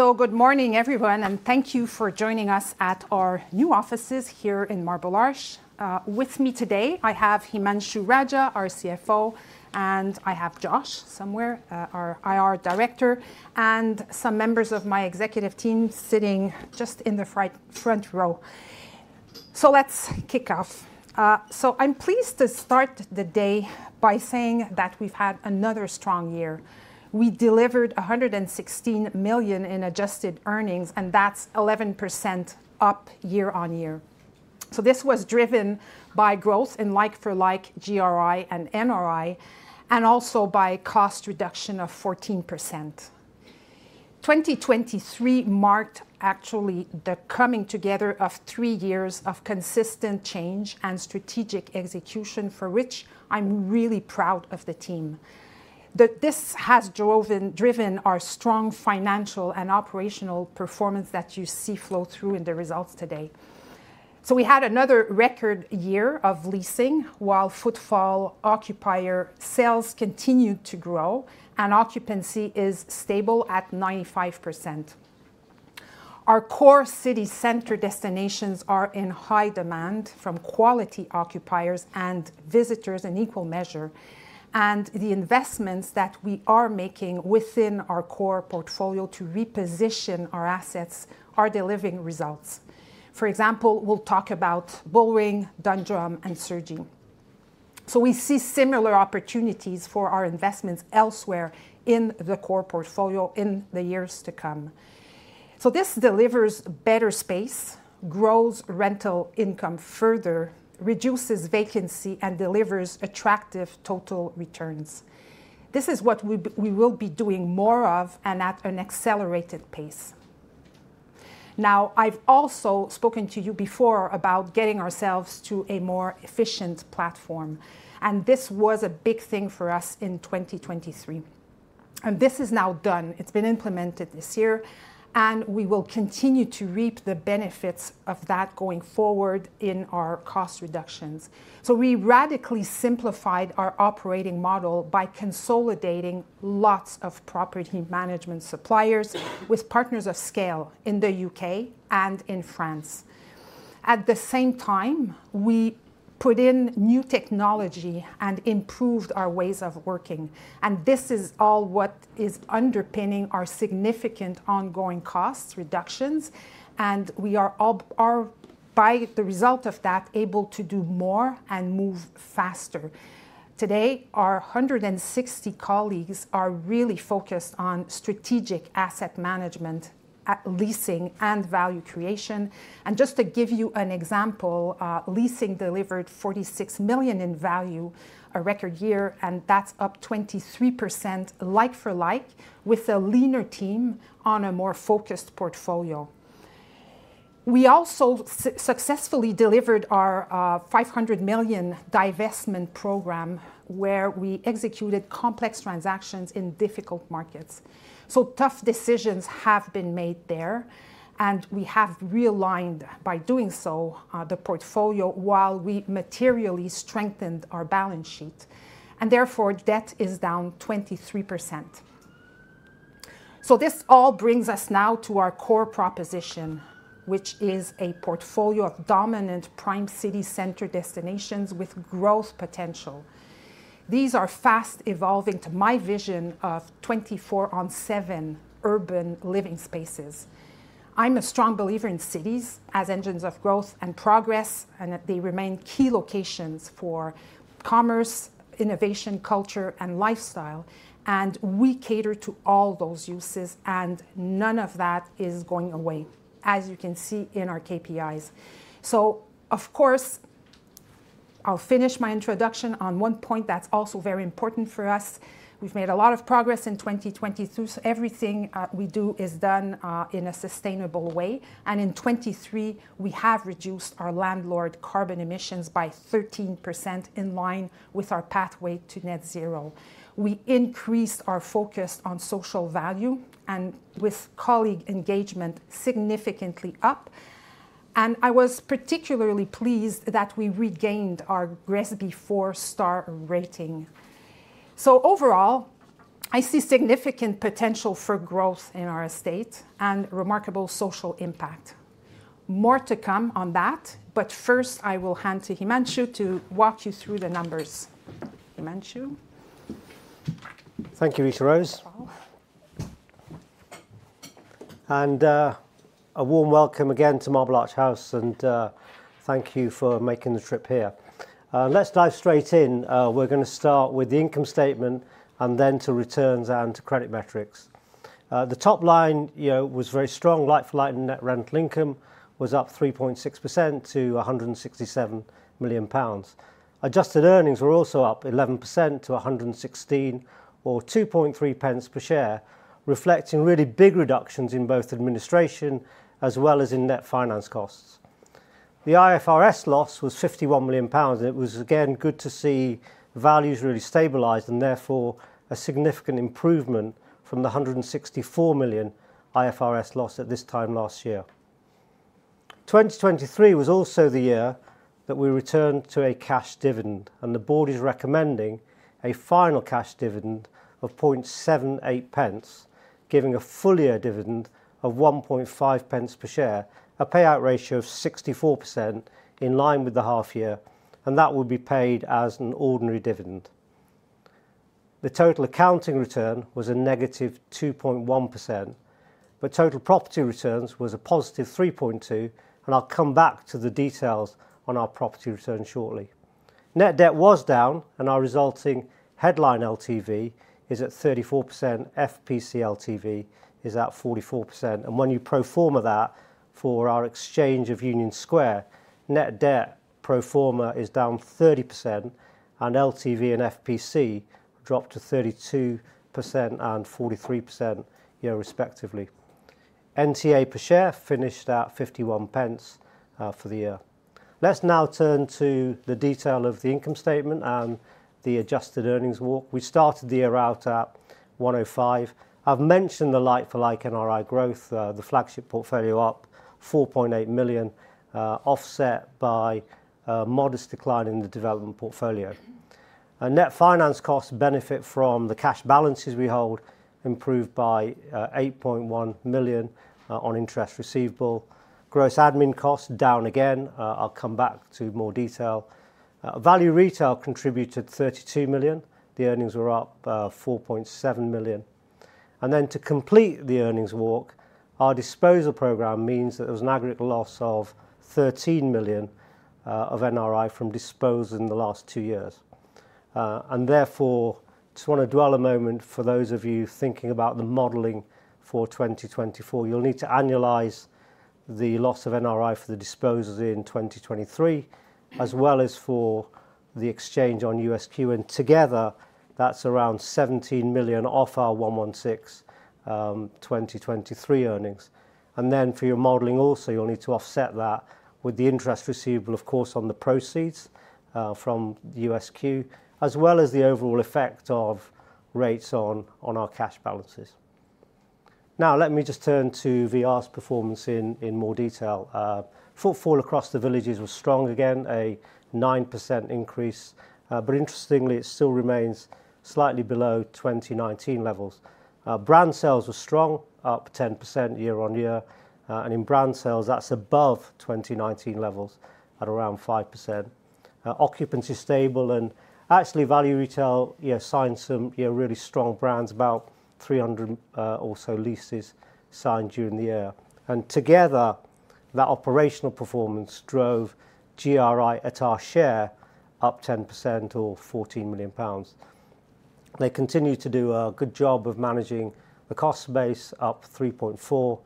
So good morning, everyone, and thank you for joining us at our new offices here in Marble Arch. With me today I have Himanshu Raja, our CFO, and I have Josh somewhere, our IR director, and some members of my executive team sitting just in the front row. So let's kick off. So I'm pleased to start the day by saying that we've had another strong year. We delivered 116 million in adjusted earnings, and that's 11% up year-on-year. So this was driven by growth in like-for-like GRI and NRI, and also by cost reduction of 14%. 2023 marked actually the coming together of three years of consistent change and strategic execution, for which I'm really proud of the team. This has driven our strong financial and operational performance that you see flow through in the results today. So we had another record year of leasing, while footfall occupier sales continued to grow, and occupancy is stable at 95%. Our core city center destinations are in high demand from quality occupiers and visitors in equal measure, and the investments that we are making within our core portfolio to reposition our assets are delivering results. For example, we'll talk about Bullring, Dundrum, and Cergy. So we see similar opportunities for our investments elsewhere in the core portfolio in the years to come. So this delivers better space, grows rental income further, reduces vacancy, and delivers attractive total returns. This is what we will be doing more of and at an accelerated pace. Now, I've also spoken to you before about getting ourselves to a more efficient platform, and this was a big thing for us in 2023, and this is now done. It's been implemented this year, and we will continue to reap the benefits of that going forward in our cost reductions. So we radically simplified our operating model by consolidating lots of property management suppliers with partners of scale in the UK and in France. At the same time, we put in new technology and improved our ways of working, and this is all what is underpinning our significant ongoing cost reductions, and we are, by the result of that, able to do more and move faster. Today, our 160 colleagues are really focused on strategic asset management at leasing and value creation. And just to give you an example, leasing delivered 46 million in value, a record year, and that's up 23% like-for-like, with a leaner team on a more focused portfolio. We also successfully delivered our 500 million divestment program, where we executed complex transactions in difficult markets. So tough decisions have been made there, and we have realigned, by doing so, the portfolio, while we materially strengthened our balance sheet, and therefore, debt is down 23%. So this all brings us now to our core proposition, which is a portfolio of dominant prime city center destinations with growth potential. These are fast evolving to my vision of 24/7 urban living spaces. I'm a strong believer in cities as engines of growth and progress, and that they remain key locations for commerce, innovation, culture, and lifestyle, and we cater to all those uses, and none of that is going away, as you can see in our KPIs. So, of course, I'll finish my introduction on one point that's also very important for us. We've made a lot of progress in 2023, so everything we do is done in a sustainable way, and in 2023, we have reduced our landlord carbon emissions by 13%, in line with our pathway to net zero. We increased our focus on social value, and with colleague engagement significantly up, and I was particularly pleased that we regained our GRESB four-star rating. So overall, I see significant potential for growth in our estate and remarkable social impact. More to come on that, but first, I will hand to Himanshu to walk you through the numbers. Himanshu? Thank you, Rita-Rose. Oh. A warm welcome again to Marble Arch House, and thank you for making the trip here. Let's dive straight in. We're gonna start with the income statement and then to returns and to credit metrics. The top line, you know, was very strong. Like-for-like net rental income was up 3.6% to 167 million pounds. Adjusted earnings were also up 11% to 116 million, or 2.3 pence per share, reflecting really big reductions in both administration as well as in net finance costs. The IFRS loss was 51 million pounds, and it was, again, good to see values really stabilize, and therefore, a significant improvement from the 164 million IFRS loss at this time last year. 2023 was also the year that we returned to a cash dividend, and the board is recommending a final cash dividend of 0.78 pence, giving a full year dividend of 1.5 pence per share, a payout ratio of 64% in line with the half year, and that will be paid as an ordinary dividend. The total accounting return was -2.1%, but total property returns was +3.2%, and I'll come back to the details on our property return shortly. Net debt was down, and our resulting headline LTV is at 34%. FPC LTV is at 44%, and when you pro forma that for our exchange of Union Square, net debt pro forma is down 30%, and LTV and FPC dropped to 32% and 43% respectively. NTA per share finished at 0.51, for the year. Let's now turn to the detail of the income statement and the adjusted earnings walk. We started the year out at 105. I've mentioned the like-for-like NRI growth, the flagship portfolio up 4.8 million, offset by a modest decline in the development portfolio. Net finance costs benefit from the cash balances we hold, improved by 8.1 million, on interest receivable. Gross admin costs, down again, I'll come back to more detail. Value Retail contributed 32 million. The earnings were up 4.7 million. And then to complete the earnings walk, our disposal program means that there was an aggregate loss of 13 million, of NRI from disposal in the last two years. Therefore, just want to dwell a moment for those of you thinking about the modeling for 2024. You'll need to annualize the loss of NRI for the disposals in 2023, as well as for the exchange on USQ, and together, that's around 17 million off our 116 million 2023 earnings. And then for your modeling also, you'll need to offset that with the interest receivable, of course, on the proceeds from the USQ, as well as the overall effect of rates on our cash balances. Now, let me just turn to VR's performance in more detail. Footfall across the villages was strong, again, a 9% increase, but interestingly, it still remains slightly below 2019 levels. Brand sales were strong, up 10% year-on-year, and in brand sales, that's above 2019 levels at around 5%. Occupancy stable and actually, Value Retail signed some really strong brands, about 300 or so leases signed during the year. And together, that operational performance drove GRI at our share up 10% or 14 million pounds. They continued to do a good job of managing the cost base, up 3.4%.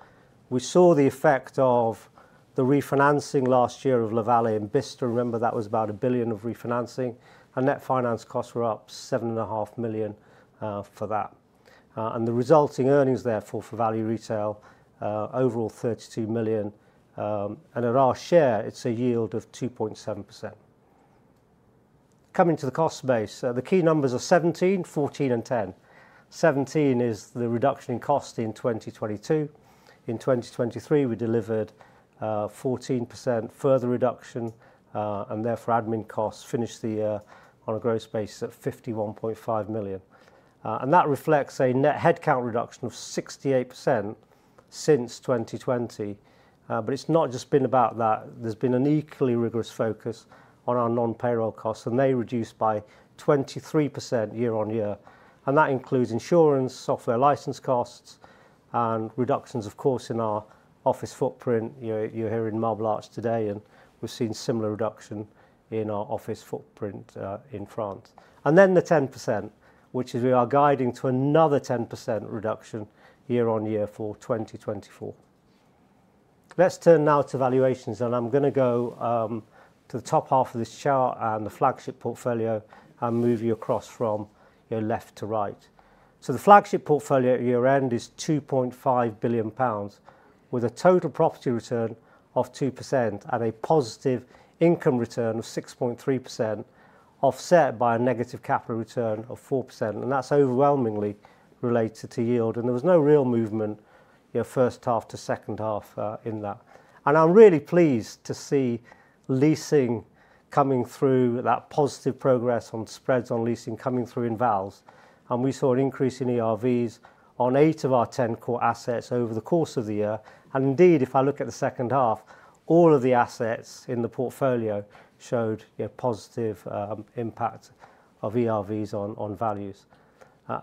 We saw the effect of the refinancing last year of La Vallée and Bicester. Remember, that was about a billion of refinancing, and net finance costs were up 7.5 million for that. And the resulting earnings therefore, for Value Retail, overall 32 million, and at our share, it's a yield of 2.7%. Coming to the cost base, the key numbers are 17%, 14% and 10%. 17% is the reduction in cost in 2022. In 2023, we delivered 14% further reduction, and therefore, admin costs finished the year on a gross base at 51.5 million. And that reflects a net headcount reduction of 68% since 2020. But it's not just been about that. There's been an equally rigorous focus on our non-payroll costs, and they reduced by 23% year on year, and that includes insurance, software license costs, and reductions, of course, in our office footprint. You're here in Marble Arch today, and we've seen similar reduction in our office footprint in France. And then the 10%, which is we are guiding to another 10% reduction year on year for 2024. Let's turn now to valuations, and I'm going to go to the top half of this chart and the flagship portfolio and move you across from your left to right. So the flagship portfolio at year-end is 2.5 billion pounds, with a total property return of 2% and a positive income return of 6.3%, offset by a negative capital return of 4%, and that's overwhelmingly related to yield. And there was no real movement, you know, first half to second half, in that. And I'm really pleased to see leasing coming through, that positive progress on spreads on leasing coming through in vals. And we saw an increase in ERVs on 8 of our 10 core assets over the course of the year. Indeed, if I look at the second half, all of the assets in the portfolio showed a positive impact of ERVs on values.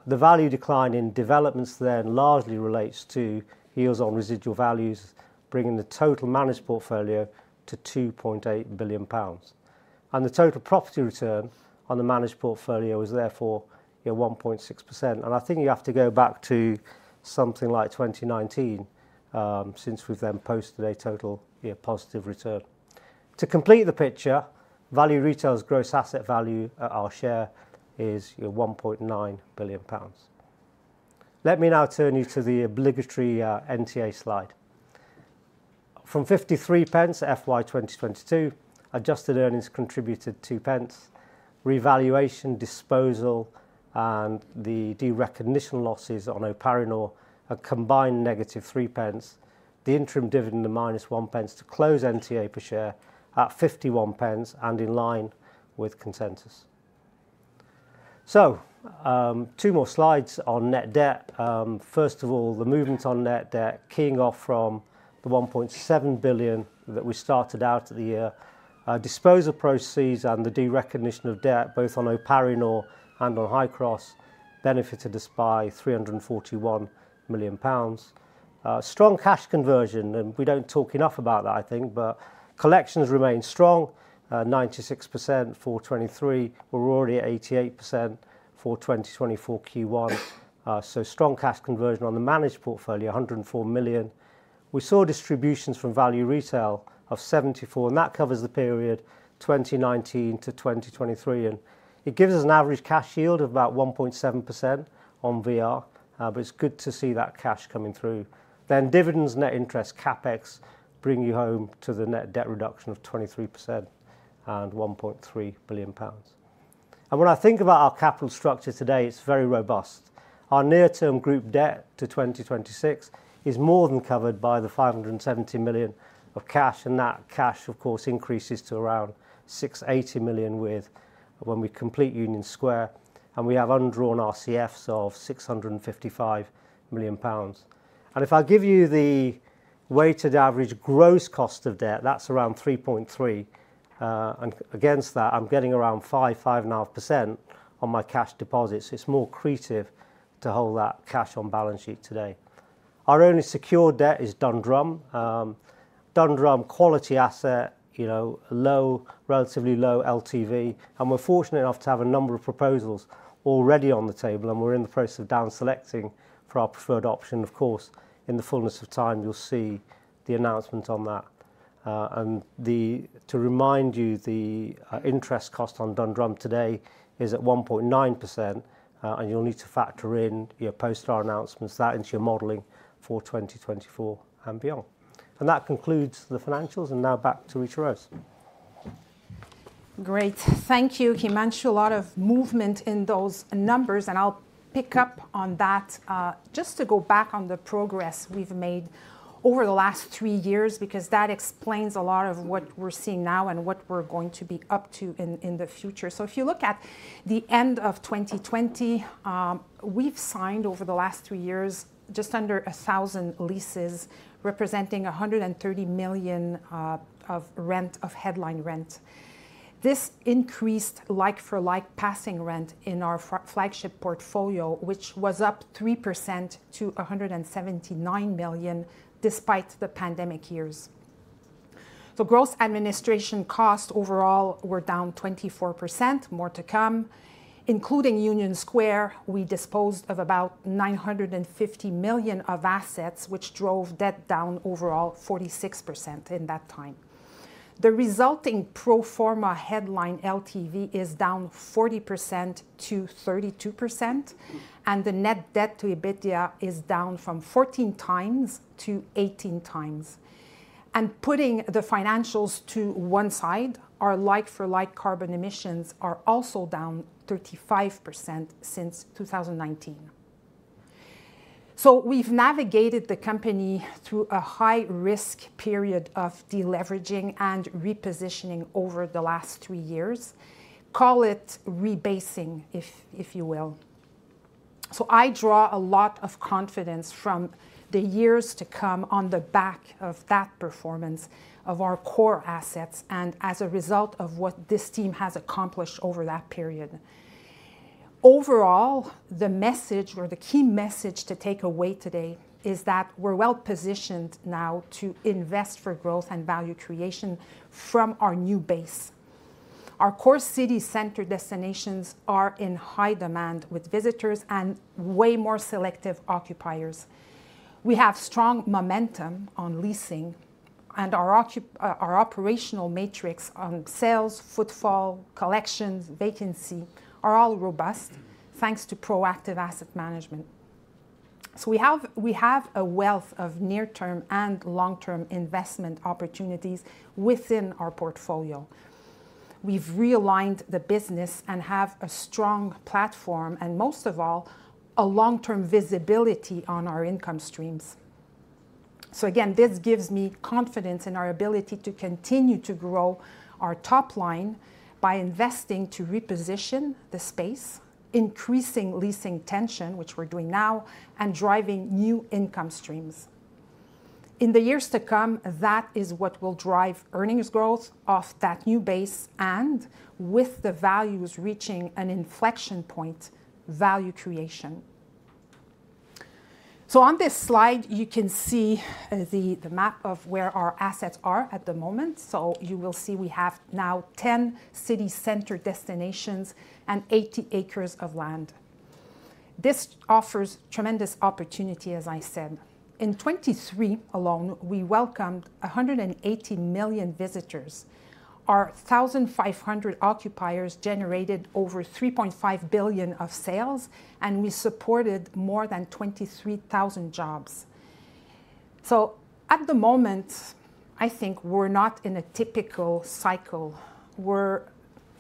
The value decline in developments then largely relates to yields on residual values, bringing the total managed portfolio to 2.8 billion pounds. The total property return on the managed portfolio is therefore 1.6%. I think you have to go back to something like 2019 since we've then posted a total positive return. To complete the picture, Value Retail's gross asset value at our share is 1.9 billion pounds. Let me now turn you to the obligatory NTA slide. From 53 pence, FY 2022, adjusted earnings contributed 2 pence. Revaluation, disposal, and the derecognition losses on O'Parinor, a combined negative 3 pence. The interim dividend of -0.01 to close NTA per share at 0.51 and in line with consensus. So, two more slides on net debt. First of all, the movement on net debt, keying off from the 1.7 billion that we started out the year. Disposal proceeds and the derecognition of debt, both on O'Parinor and on Highcross, benefited us by 341 million pounds. Strong cash conversion, and we don't talk enough about that, I think, but collections remain strong, 96%, 2023. We're already at 88% for 2024 Q1. So strong cash conversion on the managed portfolio, 104 million. We saw distributions from Value Retail of 74, and that covers the period 2019 to 2023, and it gives us an average cash yield of about 1.7% on VR. But it's good to see that cash coming through. Then dividends, net interest, CapEx, bring you home to the net debt reduction of 23% and 1.3 billion pounds. And when I think about our capital structure today, it's very robust. Our near-term group debt to 2026 is more than covered by the 570 million of cash, and that cash, of course, increases to around 680 million with when we complete Union Square, and we have undrawn RCFs of 655 million pounds. If I give you the weighted average gross cost of debt, that's around 3.3, and against that, I'm getting around 5-5.5% on my cash deposits. It's more accretive to hold that cash on balance sheet today. Our only secured debt is Dundrum. Dundrum, quality asset, you know, low, relatively low LTV, and we're fortunate enough to have a number of proposals already on the table, and we're in the process of down selecting for our preferred option. Of course, in the fullness of time, you'll see the announcement on that. And to remind you, the interest cost on Dundrum today is at 1.9%, and you'll need to factor in, you know, post our announcements, that into your modeling for 2024 and beyond. That concludes the financials, and now back to Rita. Great. Thank you, Himanshu. A lot of movement in those numbers, and I'll pick up on that. Just to go back on the progress we've made over the last three years, because that explains a lot of what we're seeing now and what we're going to be up to in the future. So if you look at the end of 2020, we've signed over the last three years, just under 1,000 leases, representing 130 million of rent, of headline rent. This increased like-for-like passing rent in our flagship portfolio, which was up 3% to 179 million, despite the pandemic years. The gross administration costs overall were down 24%, more to come. Including Union Square, we disposed of about 950 million of assets, which drove debt down overall 46% in that time. The resulting pro forma headline LTV is down 40% to 32%, and the net debt to EBITDA is down from 14 times to 18 times. And putting the financials to one side, our like-for-like carbon emissions are also down 35% since 2019. So we've navigated the company through a high-risk period of deleveraging and repositioning over the last 3 years. Call it rebasing, if, if you will. So I draw a lot of confidence from the years to come on the back of that performance of our core assets and as a result of what this team has accomplished over that period. Overall, the message or the key message to take away today is that we're well-positioned now to invest for growth and value creation from our new base. Our core city center destinations are in high demand with visitors and way more selective occupiers. We have strong momentum on leasing, and our operational metrics on sales, footfall, collections, vacancy, are all robust, thanks to proactive asset management. So we have, we have a wealth of near-term and long-term investment opportunities within our portfolio. We've realigned the business and have a strong platform, and most of all, a long-term visibility on our income streams. So again, this gives me confidence in our ability to continue to grow our top line by investing to reposition the space, increasing leasing tension, which we're doing now, and driving new income streams. In the years to come, that is what will drive earnings growth off that new base, and with the values reaching an inflection point, value creation. So on this slide, you can see the map of where our assets are at the moment. So you will see we have now 10 city center destinations and 80 acres of land. This offers tremendous opportunity, as I said. In 2023 alone, we welcomed 180 million visitors. Our 1,500 occupiers generated over 3.5 billion of sales, and we supported more than 23,000 jobs. So at the moment, I think we're not in a typical cycle. We're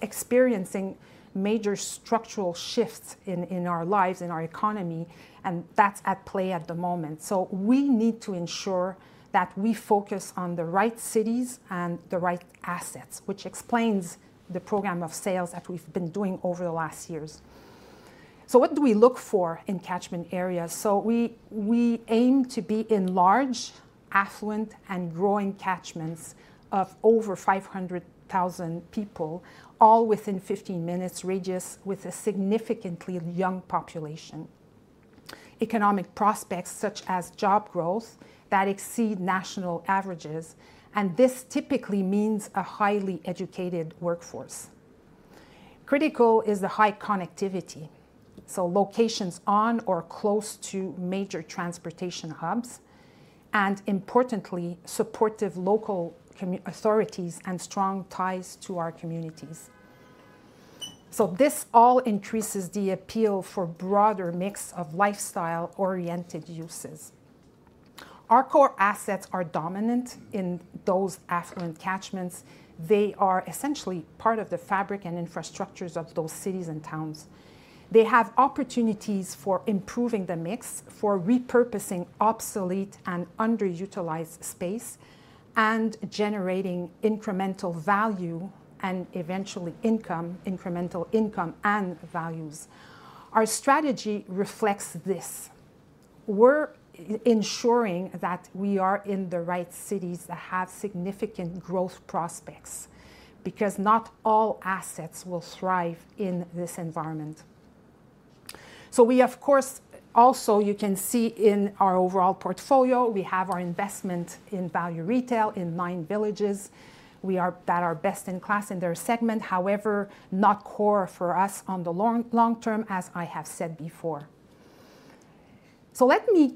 experiencing major structural shifts in our lives, in our economy, and that's at play at the moment. So we need to ensure that we focus on the right cities and the right assets, which explains the program of sales that we've been doing over the last years. So what do we look for in catchment areas? So we, we aim to be in large, affluent, and growing catchments of over 500,000 people, all within 15 minutes radius, with a significantly young population. Economic prospects, such as job growth, that exceed national averages, and this typically means a highly educated workforce. Critical is the high connectivity, so locations on or close to major transportation hubs, and importantly, supportive local communities and authorities and strong ties to our communities. So this all increases the appeal for broader mix of lifestyle-oriented uses. Our core assets are dominant in those affluent catchments. They are essentially part of the fabric and infrastructures of those cities and towns. They have opportunities for improving the mix, for repurposing obsolete and underutilized space, and generating incremental value, and eventually income, incremental income and values. Our strategy reflects this. We're ensuring that we are in the right cities that have significant growth prospects, because not all assets will thrive in this environment. So we, of course, also, you can see in our overall portfolio, we have our investment in Value Retail, in nine villages. We are at our best in class in their segment, however, not core for us on the long, long term, as I have said before. So let me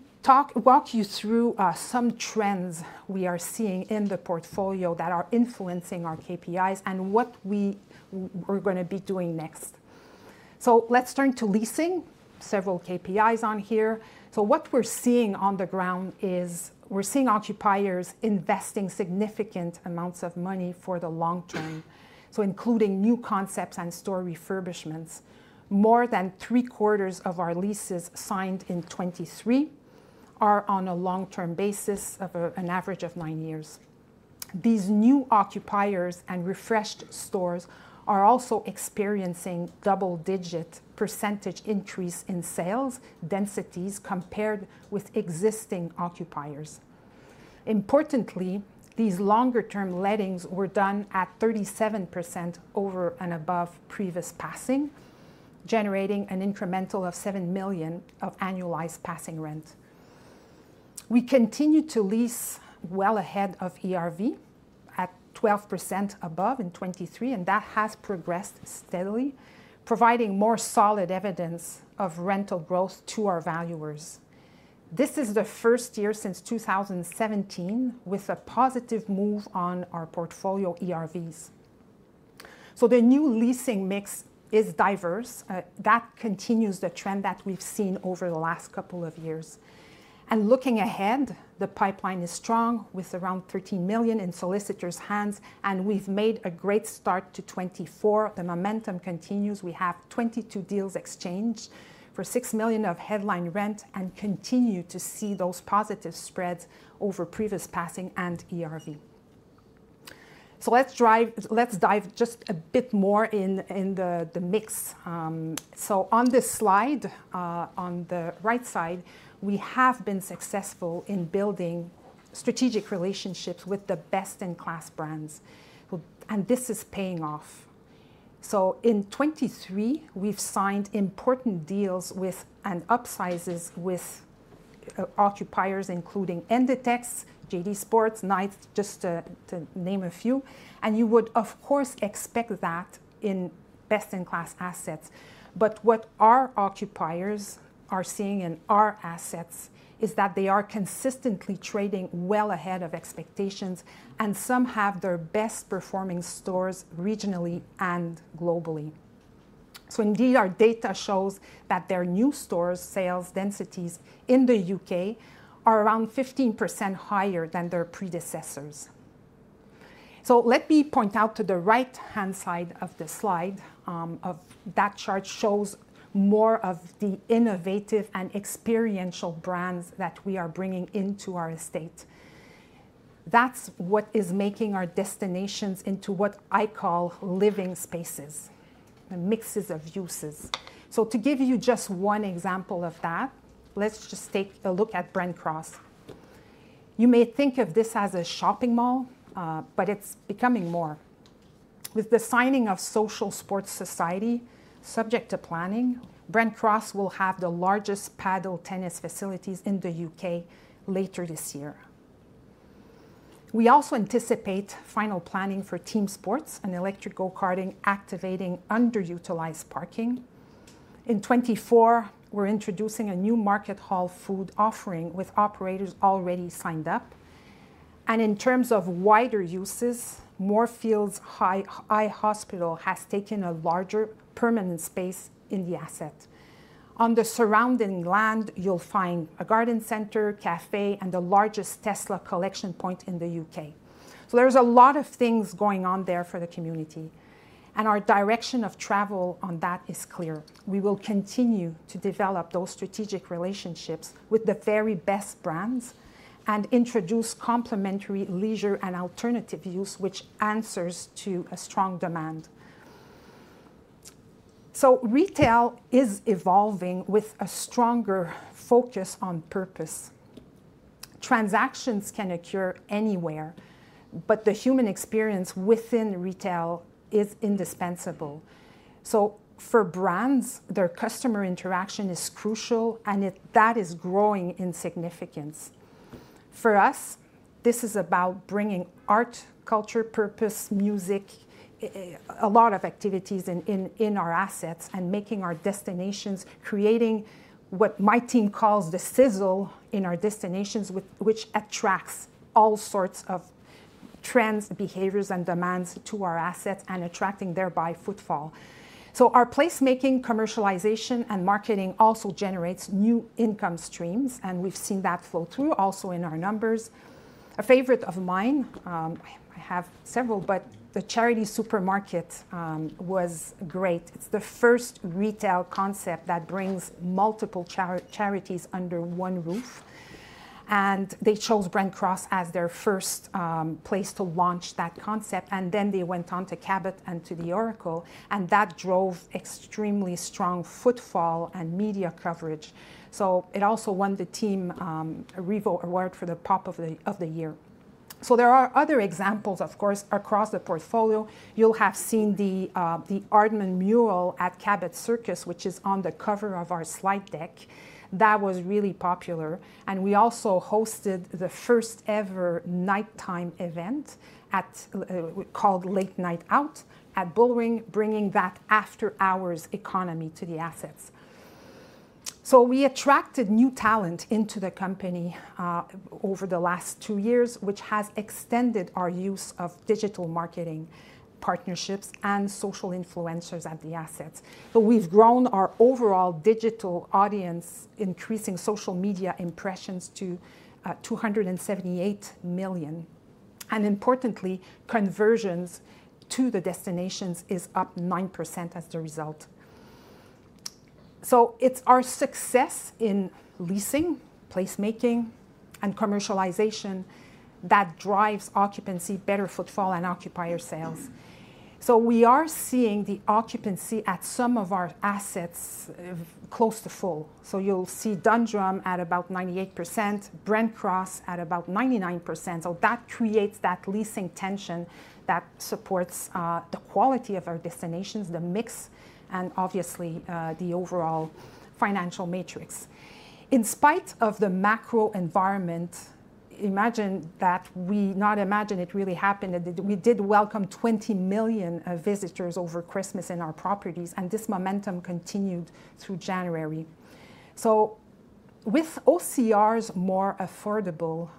walk you through some trends we are seeing in the portfolio that are influencing our KPIs and what we're gonna be doing next. So let's turn to leasing, several KPIs on here. So what we're seeing on the ground is, we're seeing occupiers investing significant amounts of money for the long term, so including new concepts and store refurbishments. More than three-quarters of our leases signed in 2023 are on a long-term basis of an average of nine years. These new occupiers and refreshed stores are also experiencing double-digit % increase in sales densities compared with existing occupiers. Importantly, these longer-term lettings were done at 37% over and above previous passing, generating an incremental of 7 million of annualized passing rent. We continue to lease well ahead of ERV at 12% above in 2023, and that has progressed steadily, providing more solid evidence of rental growth to our valuers. This is the first year since 2017 with a positive move on our portfolio ERVs. So the new leasing mix is diverse. That continues the trend that we've seen over the last couple of years, and looking ahead, the pipeline is strong, with around 13 million in solicitors' hands, and we've made a great start to 2024. The momentum continues. We have 22 deals exchanged for 6 million of headline rent and continue to see those positive spreads over previous passing and ERV. So let's dive just a bit more in the mix. So on this slide, on the right side, we have been successful in building strategic relationships with the best-in-class brands, and this is paying off. So in 2023, we've signed important deals with, and upsizes with, occupiers, including Inditex, JD Sports, Nike, just to name a few, and you would, of course, expect that in best-in-class assets. But what our occupiers are seeing in our assets is that they are consistently trading well ahead of expectations, and some have their best performing stores regionally and globally. So indeed, our data shows that their new store sales densities in the UK are around 15% higher than their predecessors. So let me point out to the right-hand side of the slide of that chart shows more of the innovative and experiential brands that we are bringing into our estate. That's what is making our destinations into what I call living spaces and mixes of uses. So to give you just one example of that, let's just take a look at Brent Cross. You may think of this as a shopping mall, but it's becoming more. With the signing of Social Sports Society, subject to planning, Brent Cross will have the largest Padel tennis facilities in the UK later this year. We also anticipate final planning for team sports and electric go-karting, activating underutilized parking. In 2024, we're introducing a new market hall food offering, with operators already signed up, and in terms of wider uses, Moorfields Eye Hospital has taken a larger permanent space in the asset. On the surrounding land, you'll find a garden center, cafe, and the largest Tesla collection point in the UK. So there's a lot of things going on there for the community, and our direction of travel on that is clear. We will continue to develop those strategic relationships with the very best brands and introduce complementary leisure and alternative use, which answers to a strong demand. So retail is evolving with a stronger focus on purpose. Transactions can occur anywhere, but the human experience within retail is indispensable. So for brands, their customer interaction is crucial, and it, that is growing in significance. For us, this is about bringing art, culture, purpose, music, a lot of activities in our assets and making our destinations, creating what my team calls the sizzle in our destinations, which attracts all sorts of trends, behaviors, and demands to our assets and attracting thereby footfall. So our placemaking, commercialization, and marketing also generates new income streams, and we've seen that flow through also in our numbers. A favorite of mine, I have several, but the Charity Super.Mkt was great. It's the first retail concept that brings multiple charities under one roof, and they chose Brent Cross as their first place to launch that concept, and then they went on to Cabot and to the Oracle, and that drove extremely strong footfall and media coverage. So it also won the team a REVO award for the pop of the year. So there are other examples, of course, across the portfolio. You'll have seen the Aardman mural at Cabot Circus, which is on the cover of our slide deck. That was really popular, and we also hosted the first-ever nighttime event called Late Night Out at Bullring, bringing that after-hours economy to the assets. So we attracted new talent into the company over the last two years, which has extended our use of digital marketing partnerships and social influencers at the assets. But we've grown our overall digital audience, increasing social media impressions to 278 million, and importantly, conversions to the destinations is up 9% as the result. So it's our success in leasing, placemaking, and commercialization that drives occupancy, better footfall, and occupier sales. So we are seeing the occupancy at some of our assets close to full. So you'll see Dundrum at about 98%, Brent Cross at about 99%, so that creates that leasing tension that supports the quality of our destinations, the mix, and obviously the overall financial matrix. In spite of the macro environment, imagine that we... No, imagine, it really happened, that we did welcome 20 million visitors over Christmas in our properties, and this momentum continued through January. So with OCRs more affordable,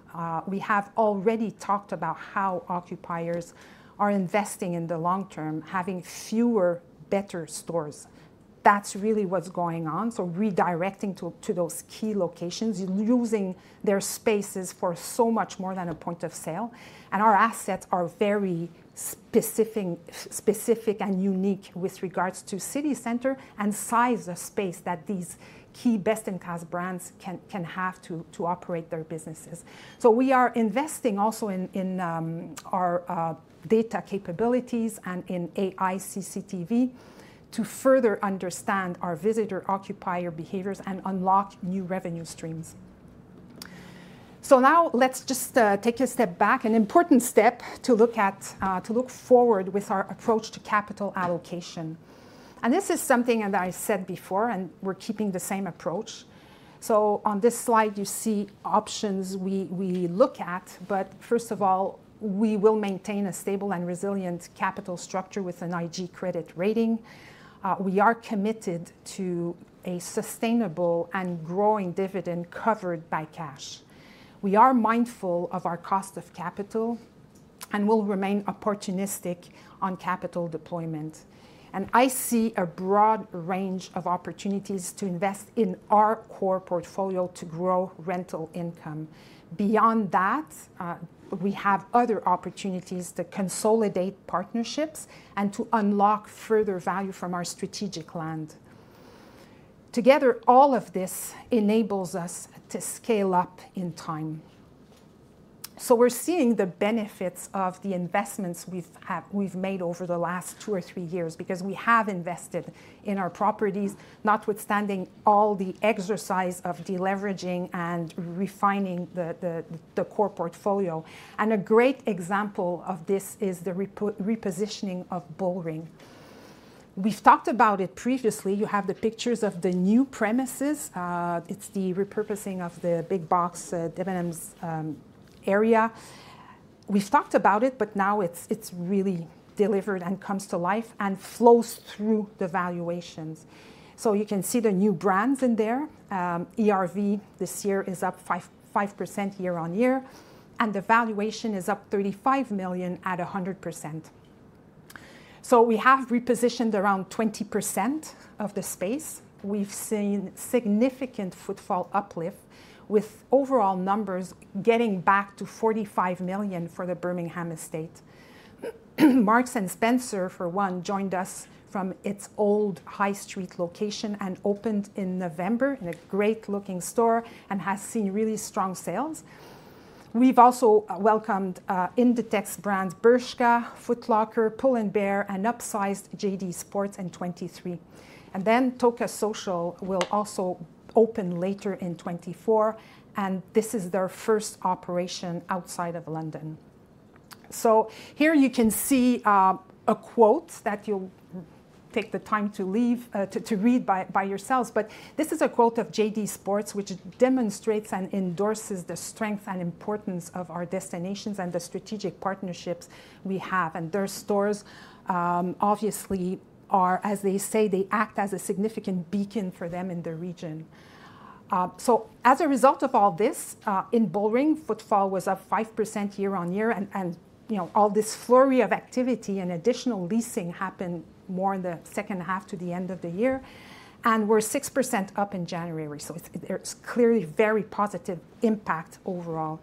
we have already talked about how occupiers are investing in the long term, having fewer, better stores. That's really what's going on, so redirecting to those key locations, using their spaces for so much more than a point of sale. And our assets are very specific and unique with regards to city center and size of space that these key, best-in-class brands can have to operate their businesses. So we are investing also in our data capabilities and in AI CCTV to further understand our visitor-occupier behaviors and unlock new revenue streams. So now let's just, take a step back, an important step, to look at, to look forward with our approach to capital allocation, and this is something that I said before, and we're keeping the same approach. So on this slide, you see options we look at, but first of all, we will maintain a stable and resilient capital structure with an IG credit rating. We are committed to a sustainable and growing dividend covered by cash. We are mindful of our cost of capital and will remain opportunistic on capital deployment, and I see a broad range of opportunities to invest in our core portfolio to grow rental income. Beyond that, we have other opportunities to consolidate partnerships and to unlock further value from our strategic land. Together, all of this enables us to scale up in time. So we're seeing the benefits of the investments we've made over the last two or three years because we have invested in our properties, notwithstanding all the exercise of deleveraging and refining the core portfolio, and a great example of this is the repositioning of Bullring. We've talked about it previously. You have the pictures of the new premises. It's the repurposing of the big box Debenhams area. We've talked about it, but now it's really delivered and comes to life and flows through the valuations. So you can see the new brands in there. ERV this year is up 5% year-on-year, and the valuation is up 35 million at 100%. So we have repositioned around 20% of the space. We've seen significant footfall uplift, with overall numbers getting back to 45 million for the Birmingham estate. Marks & Spencer, for one, joined us from its old high street location and opened in November, in a great-looking store, and has seen really strong sales. We've also welcomed Inditex brands, Bershka, Foot Locker, Pull&Bear, and upsized JD Sports in 2023. And then TOCA Social will also open later in 2024, and this is their first operation outside of London. So here you can see a quote that you'll take the time to leave, to read by yourselves. But this is a quote of JD Sports, which demonstrates and endorses the strength and importance of our destinations and the strategic partnerships we have, and their stores obviously are, as they say, they act as a significant beacon for them in the region. So as a result of all this, in Bullring, footfall was up 5% year-on-year, and you know, all this flurry of activity and additional leasing happened more in the second half to the end of the year, and we're 6% up in January, so it's, there's clearly very positive impact overall.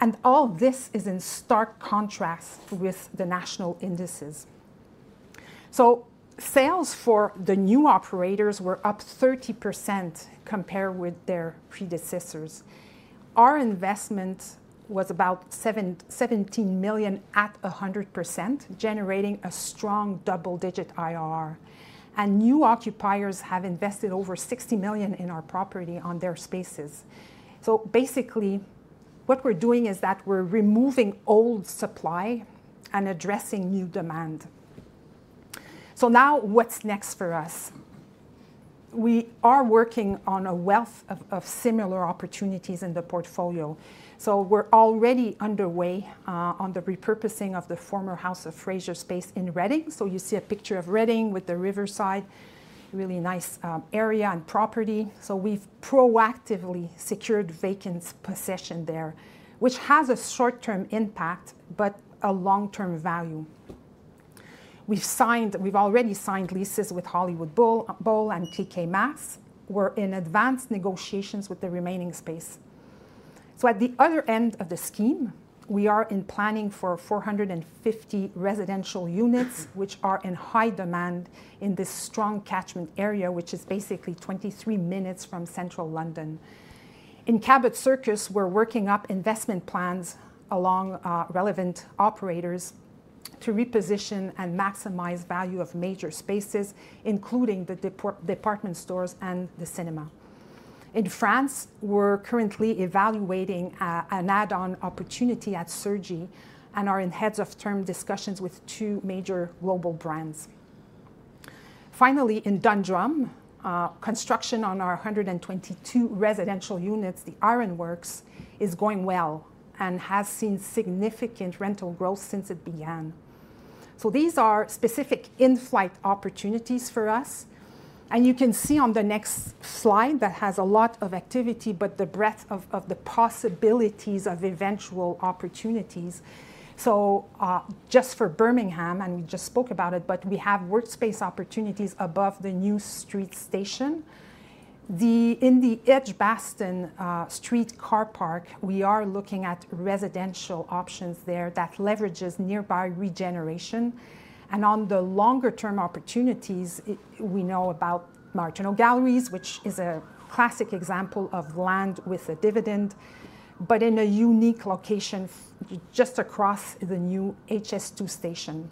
And all this is in stark contrast with the national indices. So sales for the new operators were up 30% compared with their predecessors. Our investment was about 77 million at 100%, generating a strong double-digit IRR. And new occupiers have invested over 60 million in our property on their spaces. So basically, what we're doing is that we're removing old supply and addressing new demand. So now what's next for us? We are working on a wealth of similar opportunities in the portfolio, so we're already underway on the repurposing of the former House of Fraser space in Reading. So you see a picture of Reading with the riverside, really nice area and property. So we've proactively secured vacant possession there, which has a short-term impact, but a long-term value. We've already signed leases with Hollywood Bowl and TK Maxx. We're in advanced negotiations with the remaining space. So at the other end of the scheme, we are in planning for 450 residential units, which are in high demand in this strong catchment area, which is basically 23 minutes from Central London. In Cabot Circus, we're working up investment plans along relevant operators to reposition and maximize value of major spaces, including the department stores and the cinema. In France, we're currently evaluating an add-on opportunity at Cergy and are in heads of term discussions with two major global brands. Finally, in Dundrum, construction on our 122 residential units, the Ironworks, is going well and has seen significant rental growth since it began. So these are specific in-flight opportunities for us, and you can see on the next slide that has a lot of activity, but the breadth of the possibilities of eventual opportunities. So, just for Birmingham, and we just spoke about it, but we have workspace opportunities above the New Street Station. In the Edgbaston Street car park, we are looking at residential options there that leverages nearby regeneration, and on the longer-term opportunities, we know about Martineau Galleries, which is a classic example of land with a dividend, but in a unique location, just across the new HS2 station.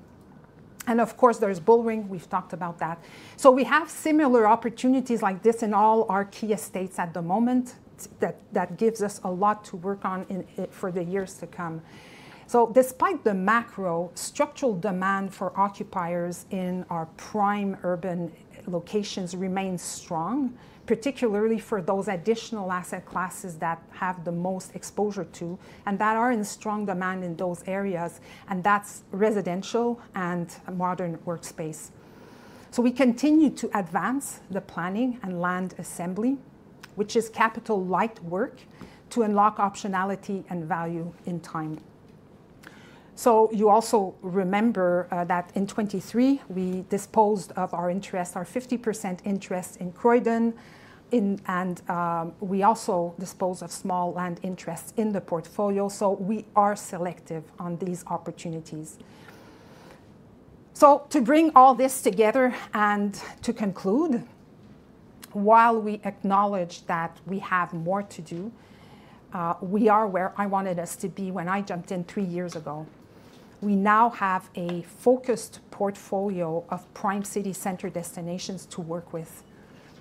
And of course, there's Bullring. We've talked about that. So we have similar opportunities like this in all our key estates at the moment, that gives us a lot to work on in for the years to come. So despite the macro, structural demand for occupiers in our prime urban locations remains strong, particularly for those additional asset classes that have the most exposure to, and that are in strong demand in those areas, and that's residential and modern workspace. So we continue to advance the planning and land assembly, which is capital-light work, to unlock optionality and value in time. So you also remember that in 2023, we disposed of our interest, our 50% interest in Croydon, and we also disposed of small land interests in the portfolio, so we are selective on these opportunities. So to bring all this together and to conclude, while we acknowledge that we have more to do, we are where I wanted us to be when I jumped in three years ago. We now have a focused portfolio of prime city center destinations to work with.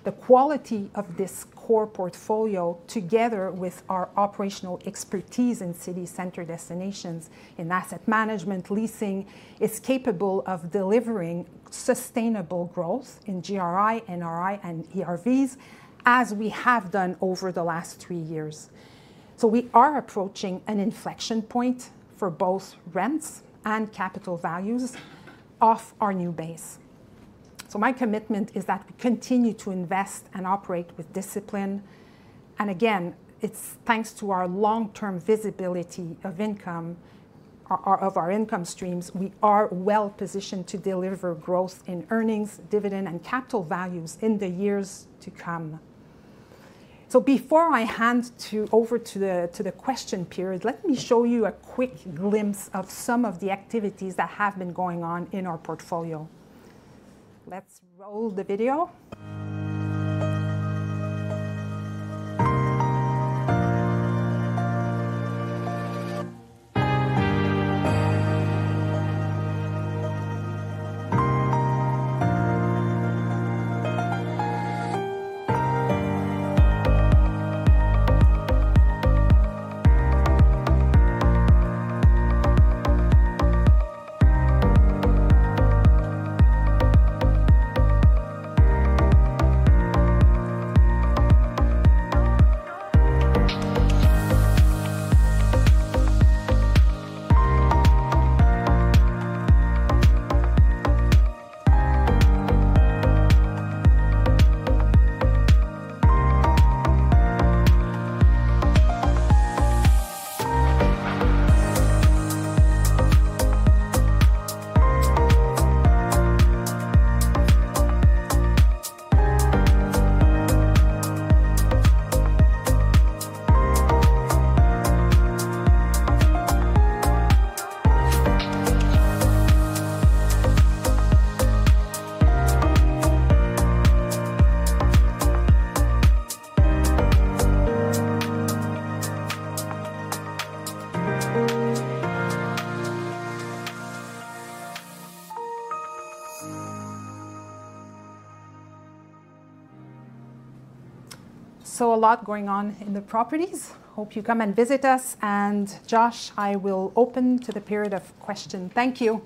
The quality of this core portfolio, together with our operational expertise in city center destinations, in asset management, leasing, is capable of delivering sustainable growth in GRI, NRI, and ERVs, as we have done over the last three years. So we are approaching an inflection point for both rents and capital values off our new base... So my commitment is that we continue to invest and operate with discipline, and again, it's thanks to our long-term visibility of income, or of our income streams, we are well positioned to deliver growth in earnings, dividend, and capital values in the years to come. So before I hand over to the question period, let me show you a quick glimpse of some of the activities that have been going on in our portfolio. Let's roll the video. So a lot going on in the properties. Hope you come and visit us, and Josh, I will open to the period of question. Thank you.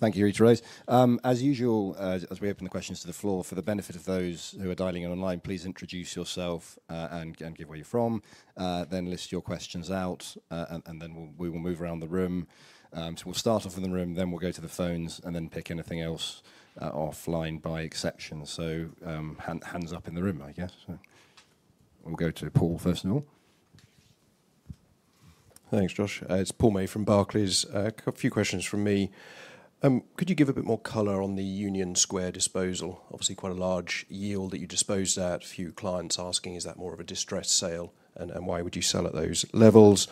Thank you, Rita. As usual, as we open the questions to the floor, for the benefit of those who are dialing in online, please introduce yourself, and give where you're from, then list your questions out, and then we will move around the room. So we'll start off in the room, then we'll go to the phones, and then pick anything else, offline by exception. So, hands up in the room, I guess. So we'll go to Paul first of all. Thanks, Josh. It's Paul May from Barclays. A few questions from me. Could you give a bit more color on the Union Square disposal? Obviously, quite a large yield that you disposed at. A few clients asking, "Is that more of a distressed sale, and why would you sell at those levels?"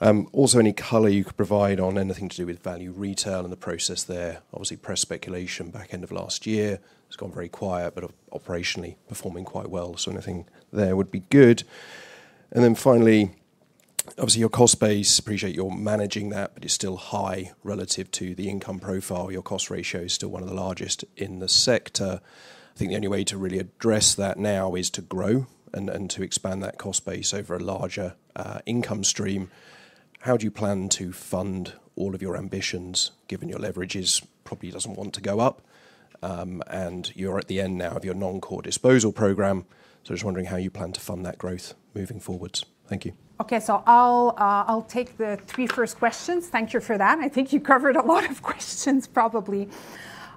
Also, any color you could provide on anything to do with Value Retail and the process there? Obviously, press speculation back end of last year. It's gone very quiet, but operationally performing quite well, so anything there would be good. And then finally, obviously, your cost base, appreciate you're managing that, but it's still high relative to the income profile. Your cost ratio is still one of the largest in the sector. I think the only way to really address that now is to grow and to expand that cost base over a larger income stream. How do you plan to fund all of your ambitions, given your leverage is probably doesn't want to go up, and you're at the end now of your non-core disposal program? So I was just wondering how you plan to fund that growth moving forward. Thank you. Okay, so I'll, I'll take the three first questions. Thank you for that. I think you covered a lot of questions, probably.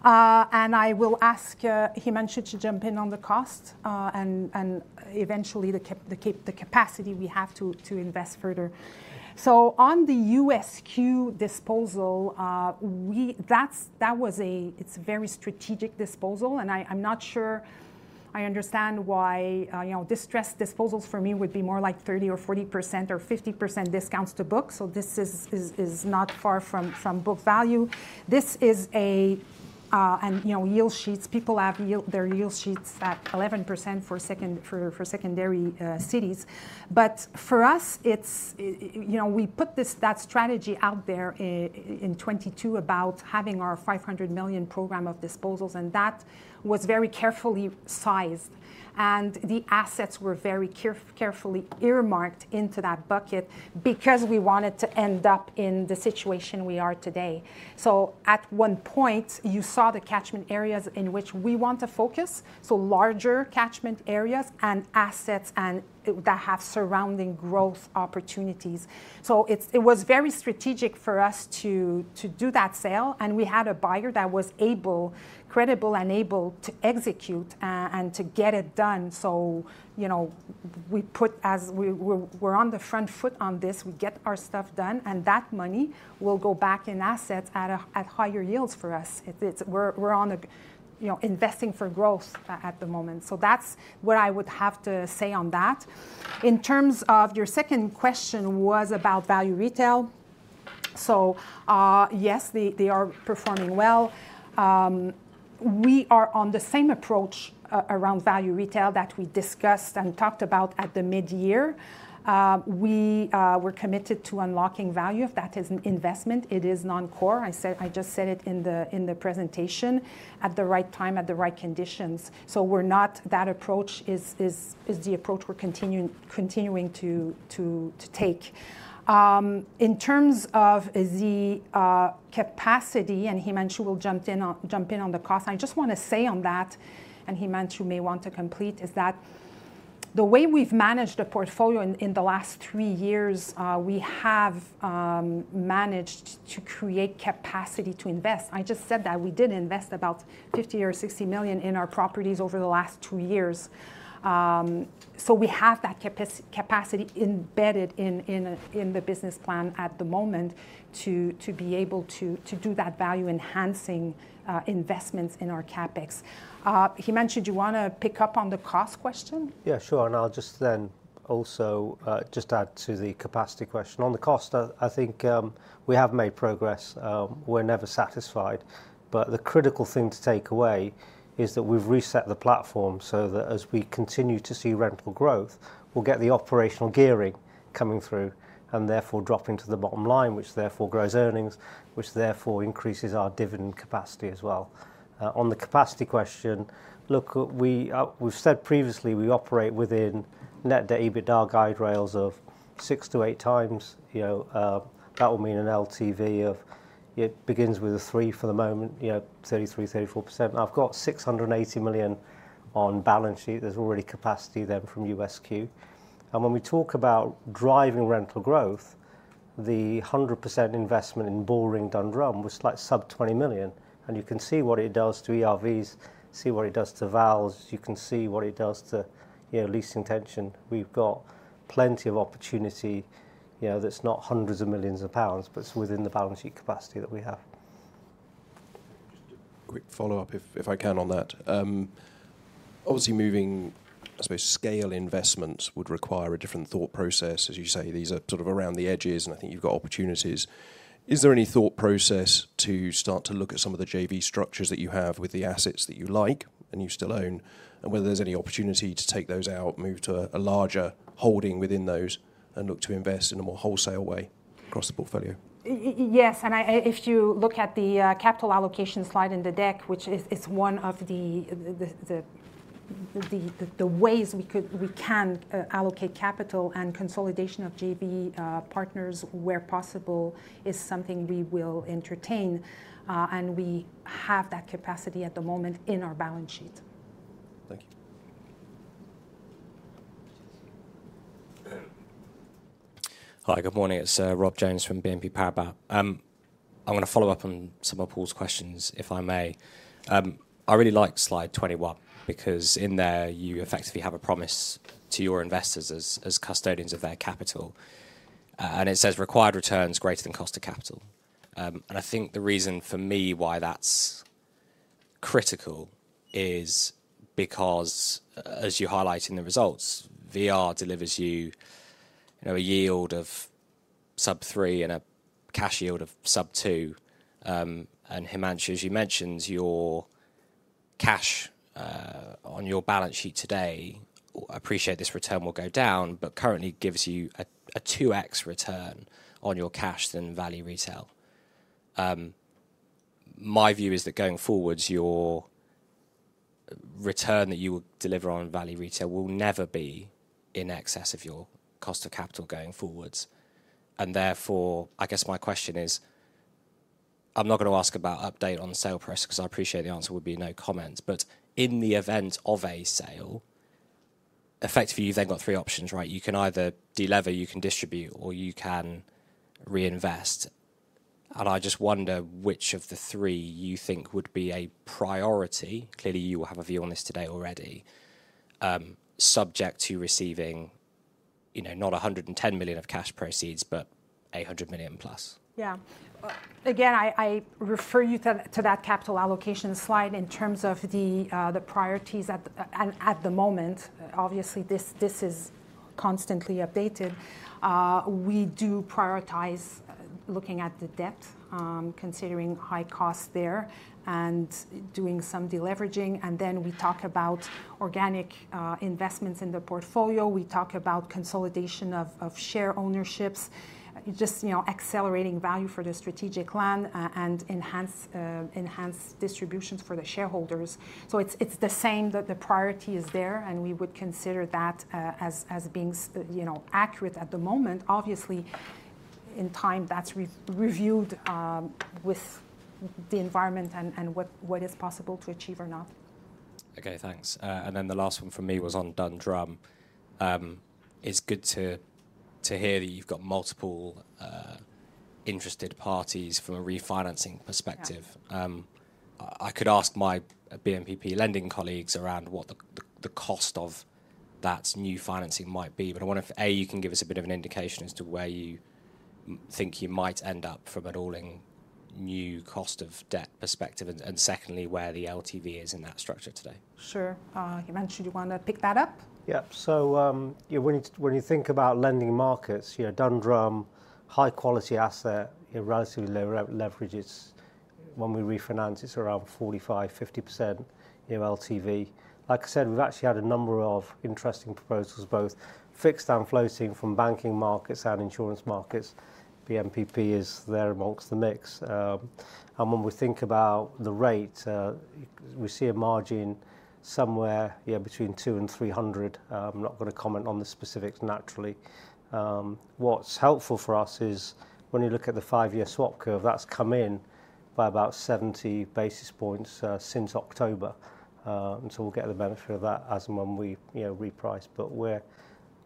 And I will ask Himanshu to jump in on the cost, and eventually, the capacity we have to invest further. So on the USQ disposal, we... That's, It's a very strategic disposal, and I'm not sure I understand why. You know, distressed disposals for me would be more like 30% or 40% or 50% discounts to book, so this is not far from book value. This is a, and, you know, yield sheets. People have their yield sheets at 11% for secondary cities. But for us, it's, you know, we put this, that strategy out there in 2022 about having our 500 million program of disposals, and that was very carefully sized, and the assets were very carefully earmarked into that bucket because we wanted to end up in the situation we are today. So at one point, you saw the catchment areas in which we want to focus, so larger catchment areas and assets and, that have surrounding growth opportunities. So it's, it was very strategic for us to, to do that sale, and we had a buyer that was able, credible and able to execute, and to get it done. So, you know, we put as we're, we're on the front foot on this. We get our stuff done, and that money will go back in assets at a, at higher yields for us. It's, we're on a, you know, investing for growth at the moment. So that's what I would have to say on that. In terms of your second question, was about Value Retail. So, yes, they are performing well. We are on the same approach around Value Retail that we discussed and talked about at the mid-year. We're committed to unlocking value. If that is an investment, it is non-core. I said, I just said it in the presentation, at the right time, at the right conditions. So we're not... That approach is the approach we're continuing to take. In terms of the capacity, and Himanshu will jump in on the cost, I just want to say on that, and Himanshu may want to complete. The way we've managed the portfolio in the last three years, we have managed to create capacity to invest. I just said that we did invest about 50-60 million in our properties over the last two years. So we have that capacity embedded in the business plan at the moment to be able to do that value-enhancing investments in our CapEx. Himanshu, do you wanna pick up on the cost question? Yeah, sure, and I'll just then also just add to the capacity question. On the cost, I think we have made progress. We're never satisfied, but the critical thing to take away is that we've reset the platform so that as we continue to see rental growth, we'll get the operational gearing coming through, and therefore dropping to the bottom line, which therefore grows earnings, which therefore increases our dividend capacity as well. On the capacity question, look, we, we've said previously, we operate within net debt to EBITDA guide rails of 6-8x. You know, that would mean an LTV of, it begins with a three for the moment, you know, 33%-34%. I've got 680 million on balance sheet. There's already capacity then from USQ. When we talk about driving rental growth, the 100% investment in Bullring Dundrum was slightly sub 20 million, and you can see what it does to ERVs, see what it does to vals. You can see what it does to, you know, leasing tension. We've got plenty of opportunity, you know, that's not hundreds of millions GBP, but it's within the balance sheet capacity that we have. Just a quick follow-up, if I can, on that. Obviously, moving, I suppose, scale investments would require a different thought process. As you say, these are sort of around the edges, and I think you've got opportunities. Is there any thought process to start to look at some of the JV structures that you have with the assets that you like and you still own, and whether there's any opportunity to take those out, move to a larger holding within those, and look to invest in a more wholesale way across the portfolio? Yes, and if you look at the capital allocation slide in the deck, which is, it's one of the ways we can allocate capital and consolidation of JV partners, where possible, is something we will entertain, and we have that capacity at the moment in our balance sheet. Thank you. Hi, good morning. It's Rob Jones from BNP Paribas. I'm gonna follow up on some of Paul's questions, if I may. I really like slide 21, because in there, you effectively have a promise to your investors as custodians of their capital. It says, "Required returns greater than cost of capital." I think the reason for me why that's critical is because, as you highlight in the results, VR delivers you, you know, a yield of sub 3 and a cash yield of sub 2. Himanshu, as you mentioned, your cash on your balance sheet today, I appreciate this return will go down, but currently gives you a 2x return on your cash than Value Retail. My view is that going forward, your return that you will deliver on Value Retail will never be in excess of your cost of capital going forward. And therefore, I guess my question is, I'm not gonna ask about update on the sale price, 'cause I appreciate the answer would be, "No comment." But in the event of a sale, effectively, you've then got three options, right? You can either delever, you can distribute, or you can reinvest, and I just wonder which of the three you think would be a priority. Clearly, you will have a view on this today already. Subject to receiving, you know, not 110 million of cash proceeds, but 100 million plus. Yeah. Again, I refer you to that capital allocation slide in terms of the priorities at the moment. Obviously, this is constantly updated. We do prioritize looking at the debt, considering high cost there, and doing some deleveraging, and then we talk about organic investments in the portfolio. We talk about consolidation of share ownerships, just, you know, accelerating value for the strategic plan and enhance distributions for the shareholders. So it's the same, that the priority is there, and we would consider that as being, you know, accurate at the moment. Obviously, in time, that's reviewed with the environment and what is possible to achieve or not. Okay, thanks. And then the last one from me was on Dundrum. It's good to hear that you've got multiple interested parties from a refinancing perspective. Yeah. I could ask my BNPP lending colleagues around what the cost of that new financing might be, but I wonder if A, you can give us a bit of an indication as to where you think you might end up from an all-in new cost of debt perspective, and secondly, where the LTV is in that structure today. Sure. Himanshu, do you wanna pick that up? Yeah. So, yeah, when you think about lending markets, you know, Dundrum, high quality asset, you know, relatively low leverage. It's. When we refinance, it's around 45-50%, you know, LTV. Like I said, we've actually had a number of interesting proposals, both fixed and floating, from banking markets and insurance markets. BNPP is there amongst the mix. And when we think about the rate, we see a margin somewhere, yeah, between 200-300. I'm not gonna comment on the specifics, naturally. What's helpful for us is, when you look at the five-year swap curve, that's come in by about 70 basis points since October. And so we'll get the benefit of that as and when we, you know, reprice. But we're,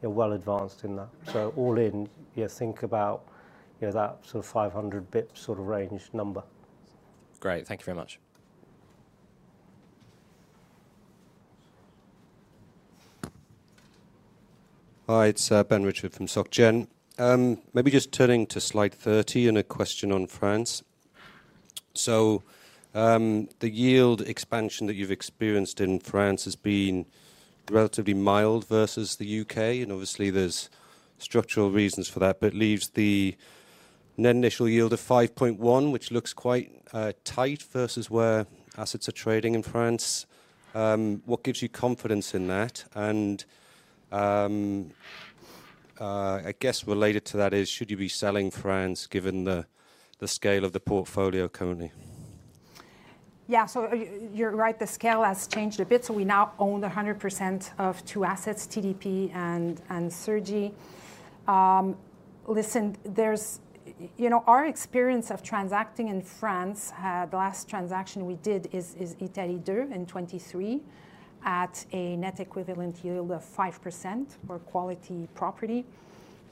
yeah, well advanced in that. So all in, you think about, you know, that sort of 500 bit sort of range number. Great. Thank you very much.... Hi, it's Ben Richford from Soc Gen. Maybe just turning to slide 30 and a question on France. So, the yield expansion that you've experienced in France has been relatively mild versus the UK, and obviously, there's structural reasons for that, but it leaves the net initial yield of 5.1, which looks quite tight versus where assets are trading in France. What gives you confidence in that? And I guess related to that is, should you be selling France, given the scale of the portfolio currently? Yeah, so you're right, the scale has changed a bit. So we now own 100% of 2 assets, TDP and Cergy. Listen, there's... You know, our experience of transacting in France, the last transaction we did is Italie Deux in 2023, at a net equivalent yield of 5% for quality property,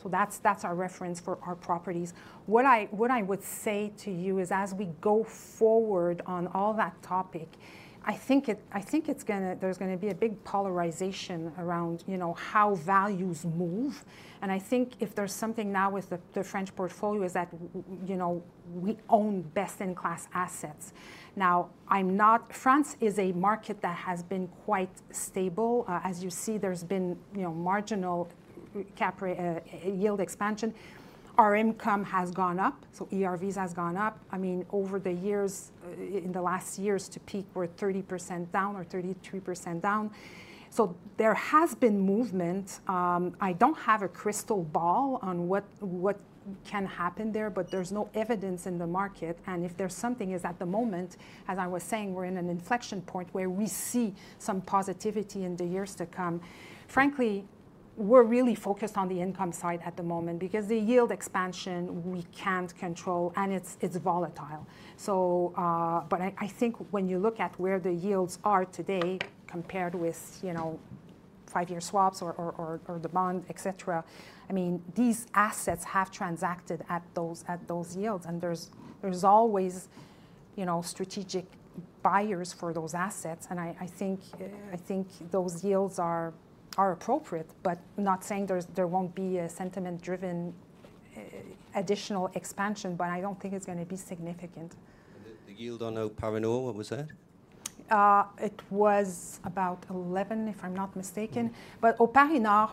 so that's our reference for our properties. What I would say to you is, as we go forward on all that topic, I think it's gonna— there's gonna be a big polarization around, you know, how values move. And I think if there's something now with the French portfolio is that, you know, we own best-in-class assets. Now, I'm not— France is a market that has been quite stable. As you see, there's been, you know, marginal yield expansion. Our income has gone up, so ERVs has gone up. I mean, over the years, in the last years, to peak, we're 30% down or 32% down. So there has been movement. I don't have a crystal ball on what can happen there, but there's no evidence in the market. And if there's something, is at the moment, as I was saying, we're in an inflection point where we see some positivity in the years to come. Frankly, we're really focused on the income side at the moment, because the yield expansion, we can't control, and it's volatile. But I think when you look at where the yields are today compared with, you know, five-year swaps or the bond, et cetera, I mean, these assets have transacted at those yields, and there's always, you know, strategic buyers for those assets. And I think those yields are appropriate, but not saying there won't be a sentiment-driven additional expansion, but I don't think it's gonna be significant. The yield on O'Parinor, what was that? It was about 11, if I'm not mistaken. But O'Parinor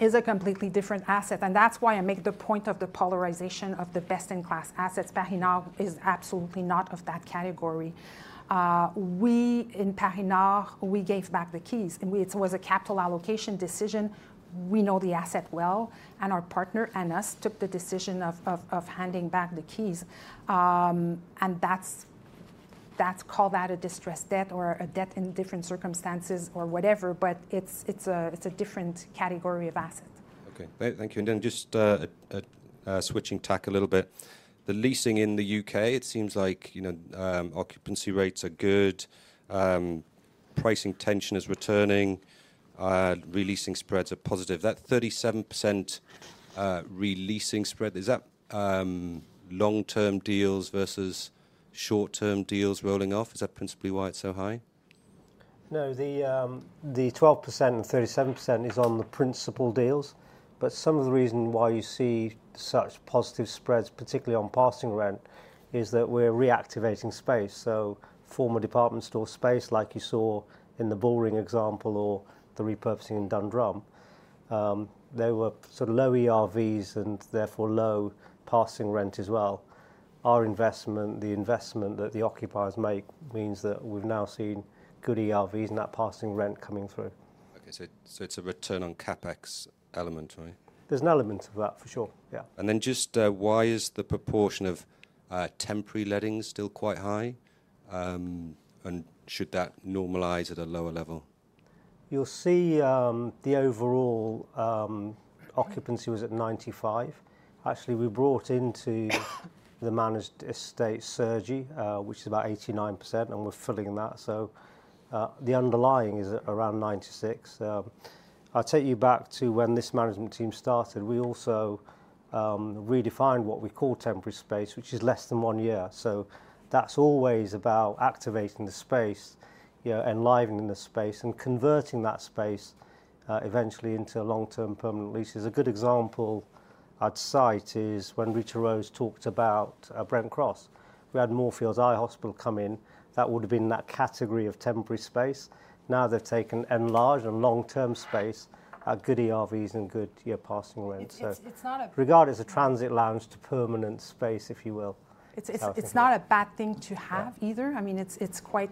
is a completely different asset, and that's why I make the point of the polarization of the best-in-class assets. Parinor is absolutely not of that category. We, in Parinor, we gave back the keys, and we... It was a capital allocation decision. We know the asset well, and our partner and us took the decision of handing back the keys. And that's called a distressed debt or a debt in different circumstances or whatever, but it's a different category of asset. Okay, thank you. And then just switching tack a little bit, the leasing in the UK, it seems like, you know, occupancy rates are good, pricing tension is returning, re-leasing spreads are positive. That 37%, re-leasing spread, is that long-term deals versus short-term deals rolling off? Is that principally why it's so high? No, the twelve percent and thirty-seven percent is on the principal deals, but some of the reason why you see such positive spreads, particularly on passing rent, is that we're reactivating space. So former department store space, like you saw in the Bullring example or the repurposing in Dundrum, they were sort of low ERVs and therefore low passing rent as well. Our investment, the investment that the occupiers make, means that we've now seen good ERVs and that passing rent coming through. Okay, so it's a return on CapEx element, right? There's an element of that, for sure. Yeah. And then just, why is the proportion of temporary letting still quite high? And should that normalize at a lower level? You'll see, the overall occupancy was at 95%. Actually, we brought into the managed estate Cergy, which is about 89%, and we're filling in that. So, the underlying is around 96%. I'll take you back to when this management team started. We also redefined what we call temporary space, which is less than one year. So that's always about activating the space, you know, enlivening the space and converting that space, eventually into long-term permanent leases. A good example I'd cite is when Rita-Rose talked about Brent Cross. We had Moorfields Eye Hospital come in. That would have been in that category of temporary space. Now they've taken enlarged and long-term space at good ERVs and good year passing rent. It's not a- Regard as a transit lounge to permanent space, if you will. It's not a bad thing to have either. Yeah. I mean, it's quite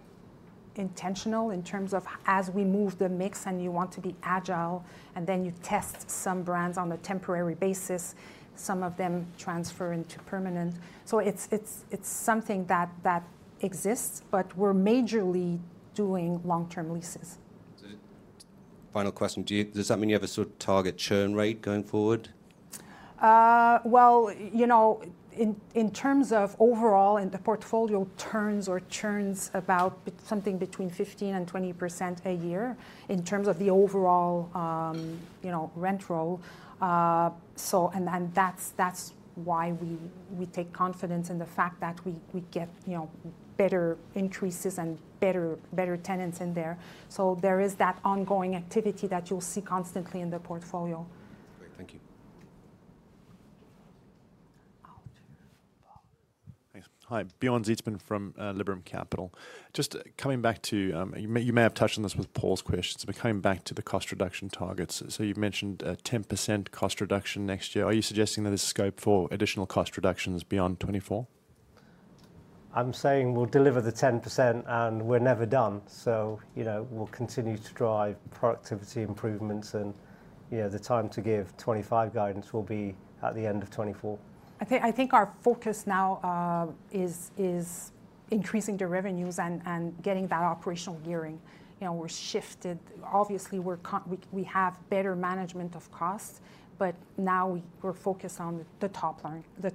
intentional in terms of as we move the mix and you want to be agile, and then you test some brands on a temporary basis, some of them transfer into permanent. So it's something that exists, but we're majorly doing long-term leases. Final question: Do you, does that mean you have a sort of target churn rate going forward? Well, you know, in terms of overall, and the portfolio turns or churns about something between 15%-20% a year in terms of the overall, you know, rent roll. So, and then that's, that's why we, we take confidence in the fact that we, we get, you know, better increases and better, better tenants in there. So there is that ongoing activity that you'll see constantly in the portfolio. Great. Thank you.... Thanks. Hi, Bjorn Zietsman from Liberum Capital. Just coming back to, you may, you may have touched on this with Paul's questions, but coming back to the cost reduction targets. So you've mentioned a 10% cost reduction next year. Are you suggesting there's scope for additional cost reductions beyond 2024? I'm saying we'll deliver the 10%, and we're never done. You know, we'll continue to drive productivity improvements, and, you know, the time to give 2025 guidance will be at the end of 2024. I think, I think our focus now is increasing the revenues and getting that operational gearing. You know, we're shifted. Obviously, we have better management of costs, but now we're focused on the top line, the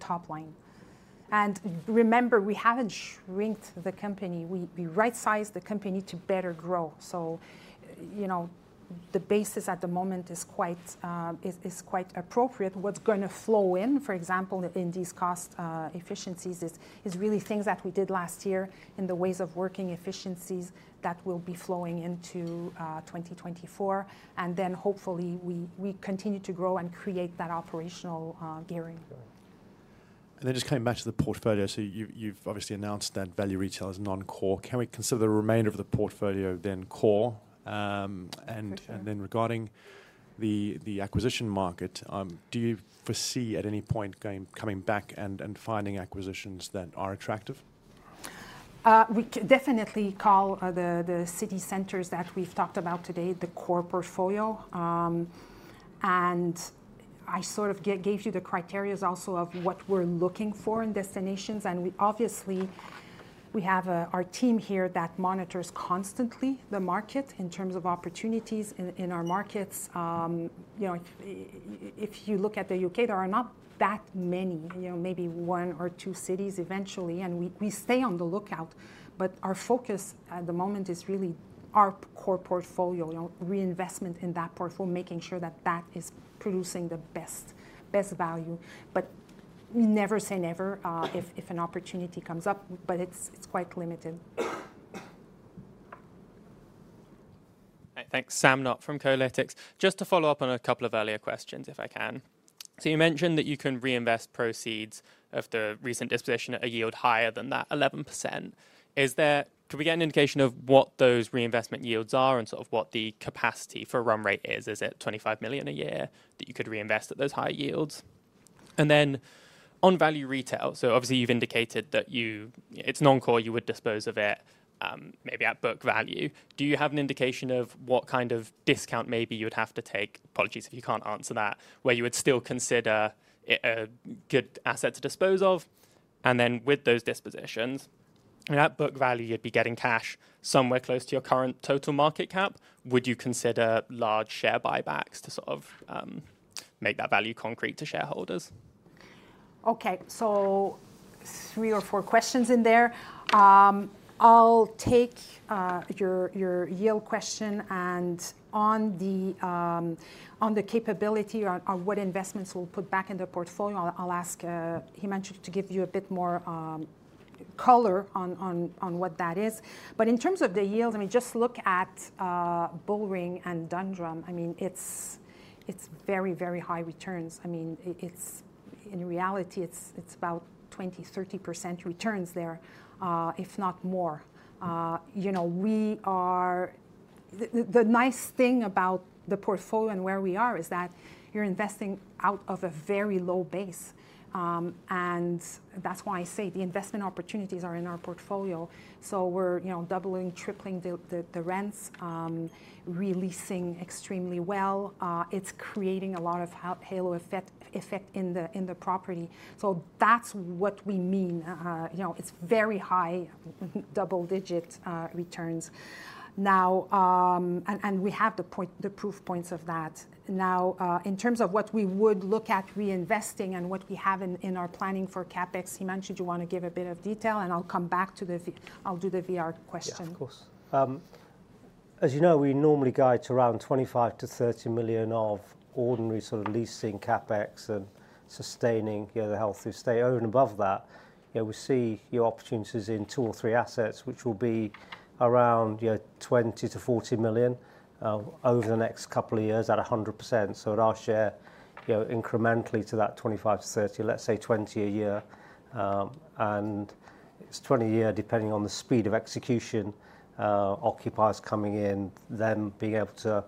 top line. And remember, we haven't shrinked the company. We right-sized the company to better grow. So, you know, the basis at the moment is quite appropriate. What's going to flow in, for example, in these cost efficiencies is really things that we did last year in the ways of working efficiencies that will be flowing into 2024, and then hopefully, we continue to grow and create that operational gearing. Then just coming back to the portfolio, so you've obviously announced that Value Retail is non-core. Can we consider the remainder of the portfolio then core? For sure. And then regarding the acquisition market, do you foresee at any point coming back and finding acquisitions that are attractive? We definitely call the city centers that we've talked about today the core portfolio. And I sort of gave you the criteria also of what we're looking for in destinations. And we obviously have our team here that monitors constantly the market in terms of opportunities in our markets. You know, if you look at the U.K., there are not that many, you know, maybe one or two cities eventually, and we stay on the lookout. But our focus at the moment is really our core portfolio, you know, reinvestment in that portfolio, making sure that that is producing the best value. But never say never, if an opportunity comes up, but it's quite limited. Hey, thanks. Sam Knott from Kolytics. Just to follow up on a couple of earlier questions, if I can. So you mentioned that you can reinvest proceeds of the recent disposition at a yield higher than that 11%. Is there... Can we get an indication of what those reinvestment yields are and sort of what the capacity for run rate is? Is it 25 million a year that you could reinvest at those high yields? And then, on Value Retail, so obviously, you've indicated that it's non-core, you would dispose of it, maybe at book value. Do you have an indication of what kind of discount maybe you would have to take, apologies if you can't answer that, where you would still consider it a good asset to dispose of? And then, with those dispositions, I mean, at book value, you'd be getting cash somewhere close to your current total market cap. Would you consider large share buybacks to sort of make that value concrete to shareholders? Okay, so three or four questions in there. I'll take your yield question and on the capability or on what investments we'll put back in the portfolio. I'll ask Himanshu to give you a bit more color on what that is. But in terms of the yield, I mean, just look at Bullring and Dundrum. I mean, it's very, very high returns. I mean, it's, in reality, it's about 20-30% returns there, if not more. You know, we are... The nice thing about the portfolio and where we are is that you're investing out of a very low base. And that's why I say the investment opportunities are in our portfolio. So we're, you know, doubling, tripling the rents, re-leasing extremely well. It's creating a lot of halo effect in the property. So that's what we mean. You know, it's very high, double-digit returns. And we have the proof points of that. In terms of what we would look at reinvesting and what we have in our planning for CapEx, Himanshu, you want to give a bit of detail, and I'll come back to the V... I'll do the VR question. Yeah, of course. As you know, we normally guide around 25-30 million of ordinary sort of leasing CapEx and sustaining, you know, the healthy stay. Over and above that, you know, we see new opportunities in 2 or 3 assets, which will be around, you know, 20-40 million over the next couple of years at 100%. So it will share, you know, incrementally to that 25-30 million, let's say 20 a year. And it's 20 a year, depending on the speed of execution, occupiers coming in, then being able to,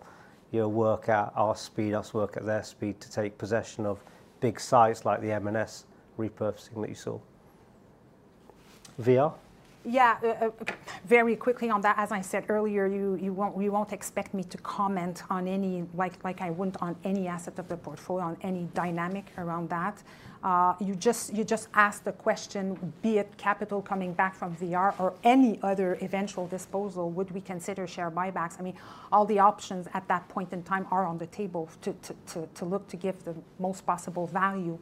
you know, work at our speed, us work at their speed, to take possession of big sites like the M&S repurposing that you saw. VR? Yeah. Very quickly on that, as I said earlier, you won't expect me to comment on any, like, I wouldn't on any asset of the portfolio, on any dynamic around that. You just asked the question, be it capital coming back from VR or any other eventual disposal, would we consider share buybacks? I mean, all the options at that point in time are on the table to look to give the most possible value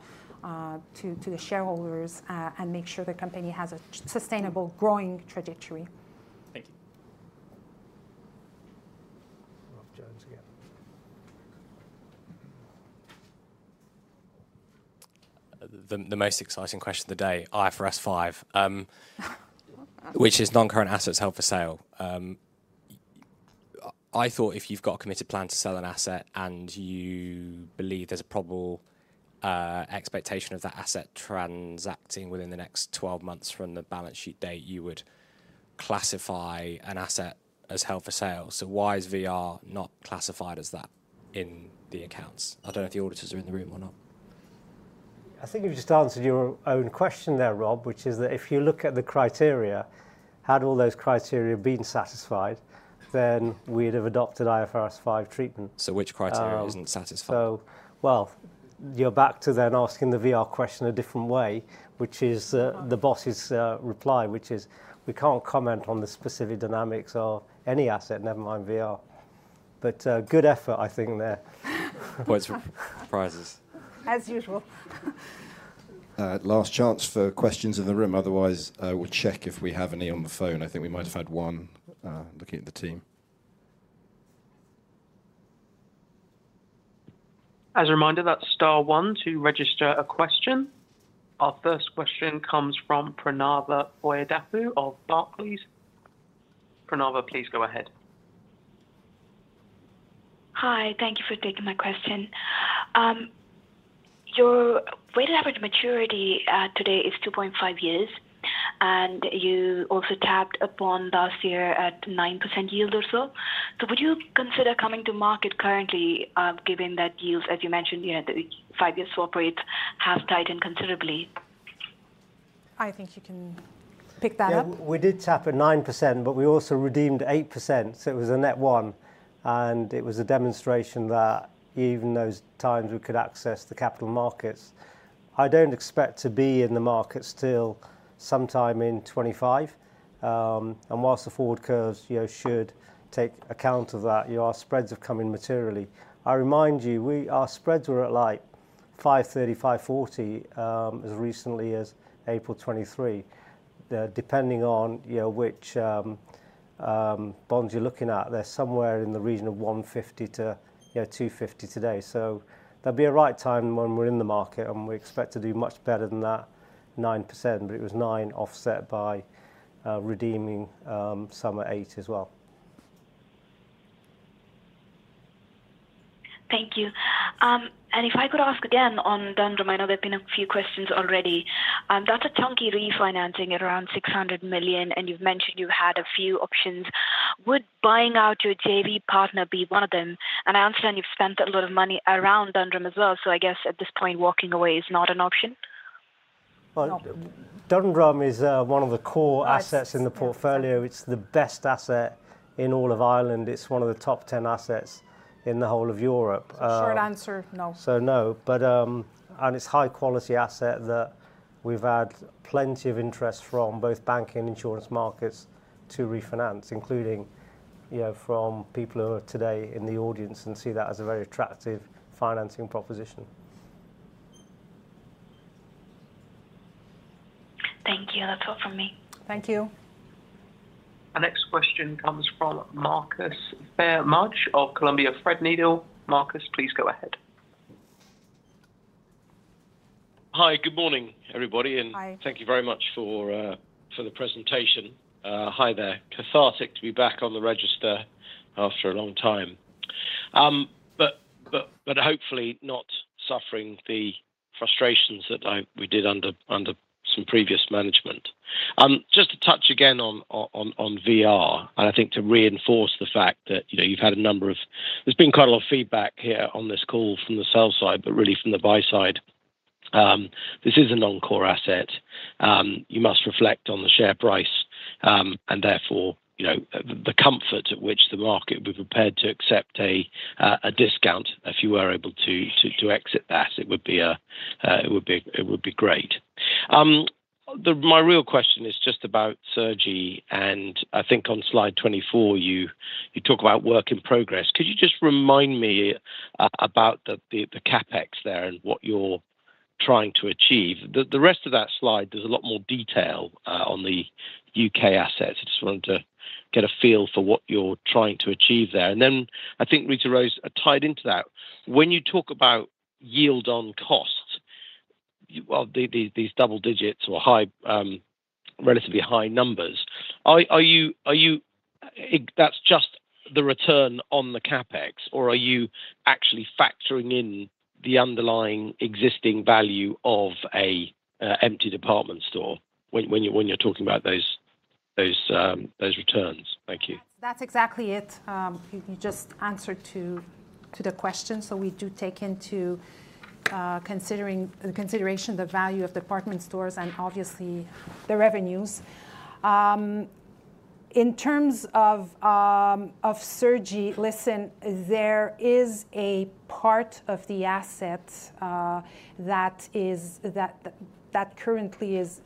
to the shareholders, and make sure the company has a sustainable growing trajectory. Thank you. Rob Jones again. The most exciting question of the day, IFRS 5, which is non-current assets held for sale.... I thought if you've got a committed plan to sell an asset, and you believe there's a probable expectation of that asset transacting within the next 12 months from the balance sheet date, you would classify an asset as held for sale. So why is VR not classified as that in the accounts? I don't know if the auditors are in the room or not. I think you've just answered your own question there, Rob, which is that if you look at the criteria, had all those criteria been satisfied, then we'd have adopted IFRS 5 treatment. Which criteria isn't satisfied? So, well, you're back to then asking the VR question a different way, which is the boss's reply, which is we can't comment on the specific dynamics of any asset, never mind VR. But good effort, I think, there. Points for prizes. As usual. Last chance for questions in the room. Otherwise, I will check if we have any on the phone. I think we might have had one, looking at the team. As a reminder, that's star one to register a question. Our first question comes from Pranava Boyidapu of Barclays. Pranava, please go ahead. Hi, thank you for taking my question. Your weighted average maturity today is 2.5 years, and you also tapped upon last year at 9% yield or so. So would you consider coming to market currently, given that yields, as you mentioned, you know, the five-year swap rates have tightened considerably? I think you can pick that up. Yeah, we did tap at 9%, but we also redeemed 8%, so it was a net 1%. It was a demonstration that even those times we could access the capital markets. I don't expect to be in the market still sometime in 2025. And while the forward curves, you know, should take account of that, our spreads have come in materially. I remind you, we our spreads were at, like, 530, 540, as recently as April 2023. They're depending on, you know, which bonds you're looking at. They're somewhere in the region of 150-250 today. So there'll be a right time when we're in the market, and we expect to do much better than that 9%, but it was 9% offset by redeeming some at 8% as well. Thank you. And if I could ask again on Dundrum. I know there's been a few questions already. That's a chunky refinancing at around 600 million, and you've mentioned you had a few options. Would buying out your JV partner be one of them? And I understand you've spent a lot of money around Dundrum as well, so I guess at this point, walking away is not an option? No. Well, Dundrum is one of the core assets- Yes... in the portfolio. It's the best asset in all of Ireland. It's one of the top 10 assets in the whole of Europe. Short answer, no. So, no. But, and it's high-quality asset that we've had plenty of interest from both banking and insurance markets to refinance, including, you know, from people who are today in the audience and see that as a very attractive financing proposition. Thank you. That's all from me. Thank you. Our next question comes from Marcus Phayre-Mudge of Columbia Threadneedle. Marcus, please go ahead. Hi, good morning, everybody, and... Hi... thank you very much for the presentation. Hi there. Cathartic to be back on the register after a long time. But hopefully not suffering the frustrations that I we did under some previous management. Just to touch again on VR, and I think to reinforce the fact that, you know, you've had a number of... There's been quite a lot of feedback here on this call from the sell side, but really from the buy side. This is a non-core asset. You must reflect on the share price, and therefore, you know, the comfort at which the market would be prepared to accept a discount. If you were able to exit that, it would be great. My real question is just about Cergy, and I think on slide 24, you talk about work in progress. Could you just remind me about the CapEx there and what you're trying to achieve? The rest of that slide, there's a lot more detail on the UK assets. I just wanted to get a feel for what you're trying to achieve there. And then I think, Rita-Rose, tied into that, when you talk about yield on costs, well, these double digits or high, relatively high numbers, that's just the return on the CapEx, or are you actually factoring in the underlying existing value of a empty department store when you're talking about those returns? Thank you. That's, that's exactly it. You, you just answered to, to the question. So we do take into consideration the value of department stores and obviously the revenues. In terms of Cergy, there is a part of the asset that currently is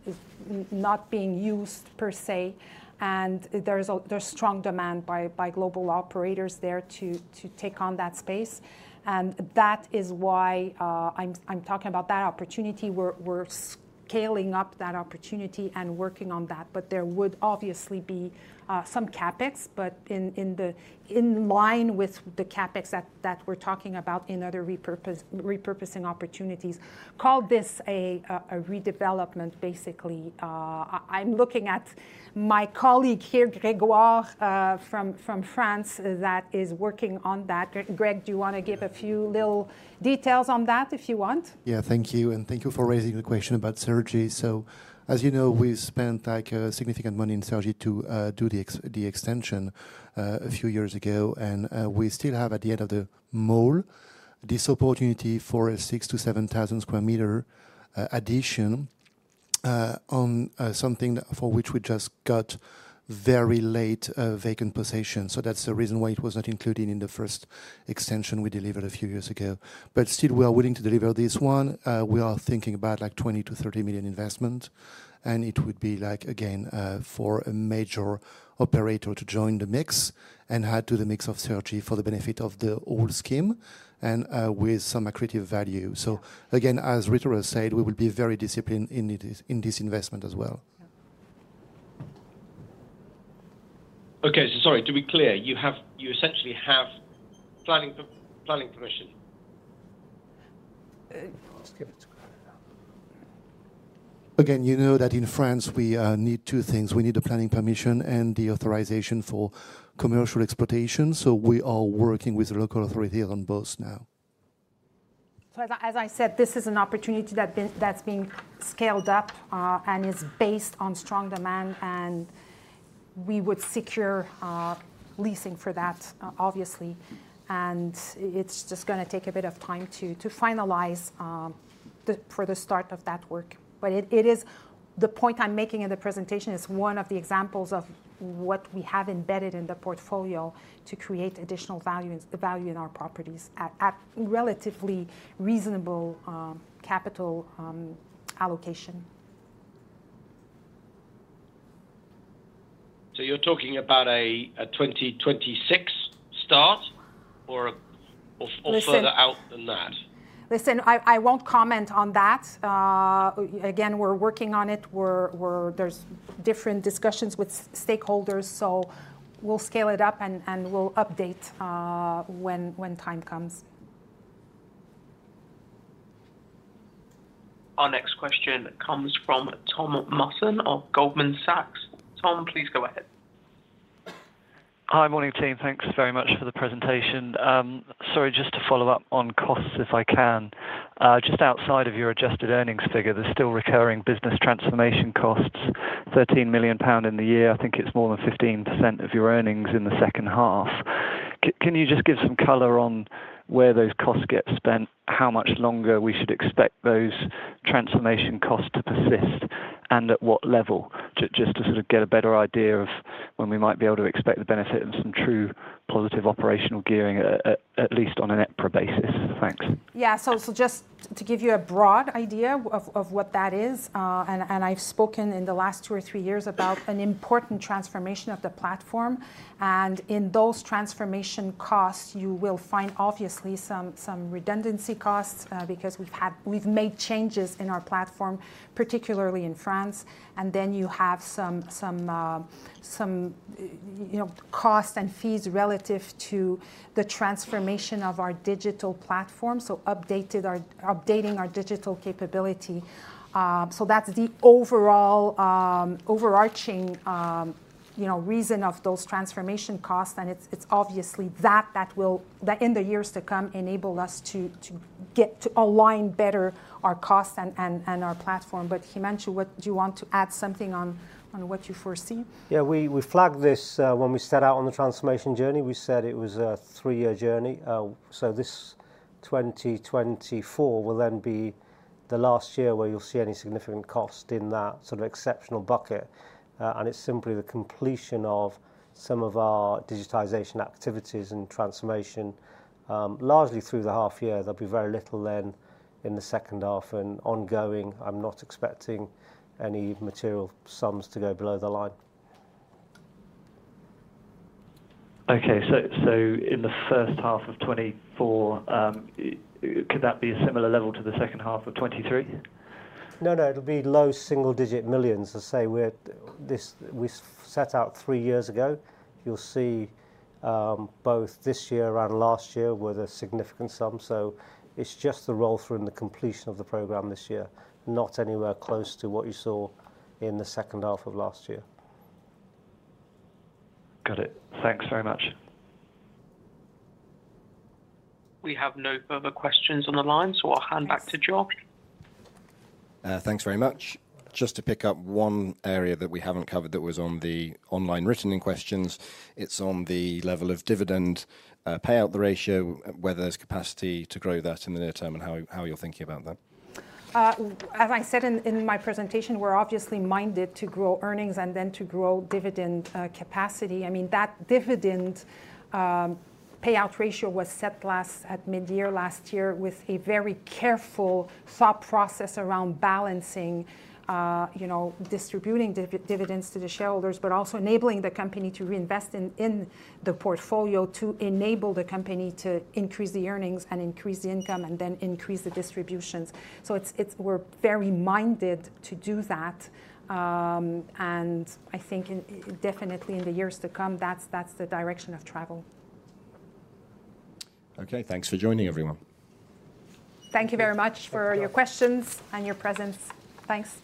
not being used per se, and there's strong demand by global operators there to take on that space. And that is why I'm talking about that opportunity. We're scaling up that opportunity and working on that, but there would obviously be some CapEx, but in line with the CapEx that we're talking about in other repurposing opportunities. Call this a redevelopment, basically. I'm looking at my colleague here, Gregoire, from France, that is working on that. Greg, do you want to give a few little details on that, if you want? Yeah. Thank you, and thank you for raising the question about Cergy. So as you know, we spent, like, a significant amount of money in Cergy to do the extension a few years ago, and we still have, at the end of the mall, this opportunity for a 6,000-7,000 square meter addition on something for which we just got very late vacant possession. So that's the reason why it was not included in the first extension we delivered a few years ago. But still, we are willing to deliver this one. We are thinking about, like, 20-30 million investment, and it would be like, again, for a major operator to join the mix and add to the mix of Cergy for the benefit of the whole scheme and with some accretive value. Again, as Rita has said, we will be very disciplined in this, in this investment as well. Yeah. Okay, so sorry, to be clear, you essentially have planning permission? Again, you know that in France we need two things. We need the planning permission and the authorization for commercial exploitation, so we are working with the local authority on both now. So as I said, this is an opportunity that's being scaled up and is based on strong demand, and we would secure leasing for that, obviously. And it's just gonna take a bit of time to finalize for the start of that work. But it is... The point I'm making in the presentation is one of the examples of what we have embedded in the portfolio to create additional value, value in our properties at relatively reasonable capital allocation. So you're talking about a 2026 start or further- Listen- -out than that? Listen, I won't comment on that. Again, we're working on it. We're, there are different discussions with stakeholders, so we'll scale it up and we'll update when time comes. Our next question comes from Tom Musson of Goldman Sachs. Tom, please go ahead. Hi. Morning, team. Thanks very much for the presentation. Sorry, just to follow up on costs, if I can. Just outside of your adjusted earnings figure, there's still recurring business transformation costs, 13 million pound in the year. I think it's more than 15% of your earnings in the second half. Can you just give some color on where those costs get spent, how much longer we should expect those transformation costs to persist, and at what level? Just to sort of get a better idea of when we might be able to expect the benefit of some true positive operational gearing, at least on an EPRA basis. Thanks. Yeah, so just to give you a broad idea of what that is, and I've spoken in the last two or three years about an important transformation of the platform, and in those transformation costs, you will find obviously some redundancy costs, because we've made changes in our platform, particularly in France. And then you have some, you know, costs and fees relative to the transformation of our digital platform, so updating our digital capability. So that's the overall, overarching, you know, reason of those transformation costs, and it's obviously that will, in the years to come, enable us to get to align better our costs and our platform. But Himanshu, what... Do you want to add something on what you foresee? Yeah, we flagged this when we set out on the transformation journey. We said it was a three-year journey. So this 2024 will then be the last year where you'll see any significant cost in that sort of exceptional bucket. And it's simply the completion of some of our digitization activities and transformation, largely through the half year. There'll be very little then in the second half and ongoing. I'm not expecting any material sums to go below the line. Okay. So, in the first half of 2024, could that be a similar level to the second half of 2023? No, no, it'll be low single-digit millions. Let's say we set out three years ago. You'll see, both this year and last year were the significant sums, so it's just the roll through and the completion of the program this year, not anywhere close to what you saw in the second half of last year. Got it. Thanks very much. We have no further questions on the line, so I'll hand back to George. Thanks very much. Just to pick up one area that we haven't covered that was on the online written in questions, it's on the level of dividend payout ratio, whether there's capacity to grow that in the near term and how, how you're thinking about that. As I said in my presentation, we're obviously minded to grow earnings and then to grow dividend capacity. I mean, that dividend payout ratio was set last at mid-year last year with a very careful thought process around balancing, you know, distributing dividends to the shareholders, but also enabling the company to reinvest in the portfolio, to enable the company to increase the earnings and increase the income and then increase the distributions. So it's we're very minded to do that, and I think definitely in the years to come, that's the direction of travel. Okay. Thanks for joining, everyone. Thank you very much for your questions and your presence. Thanks.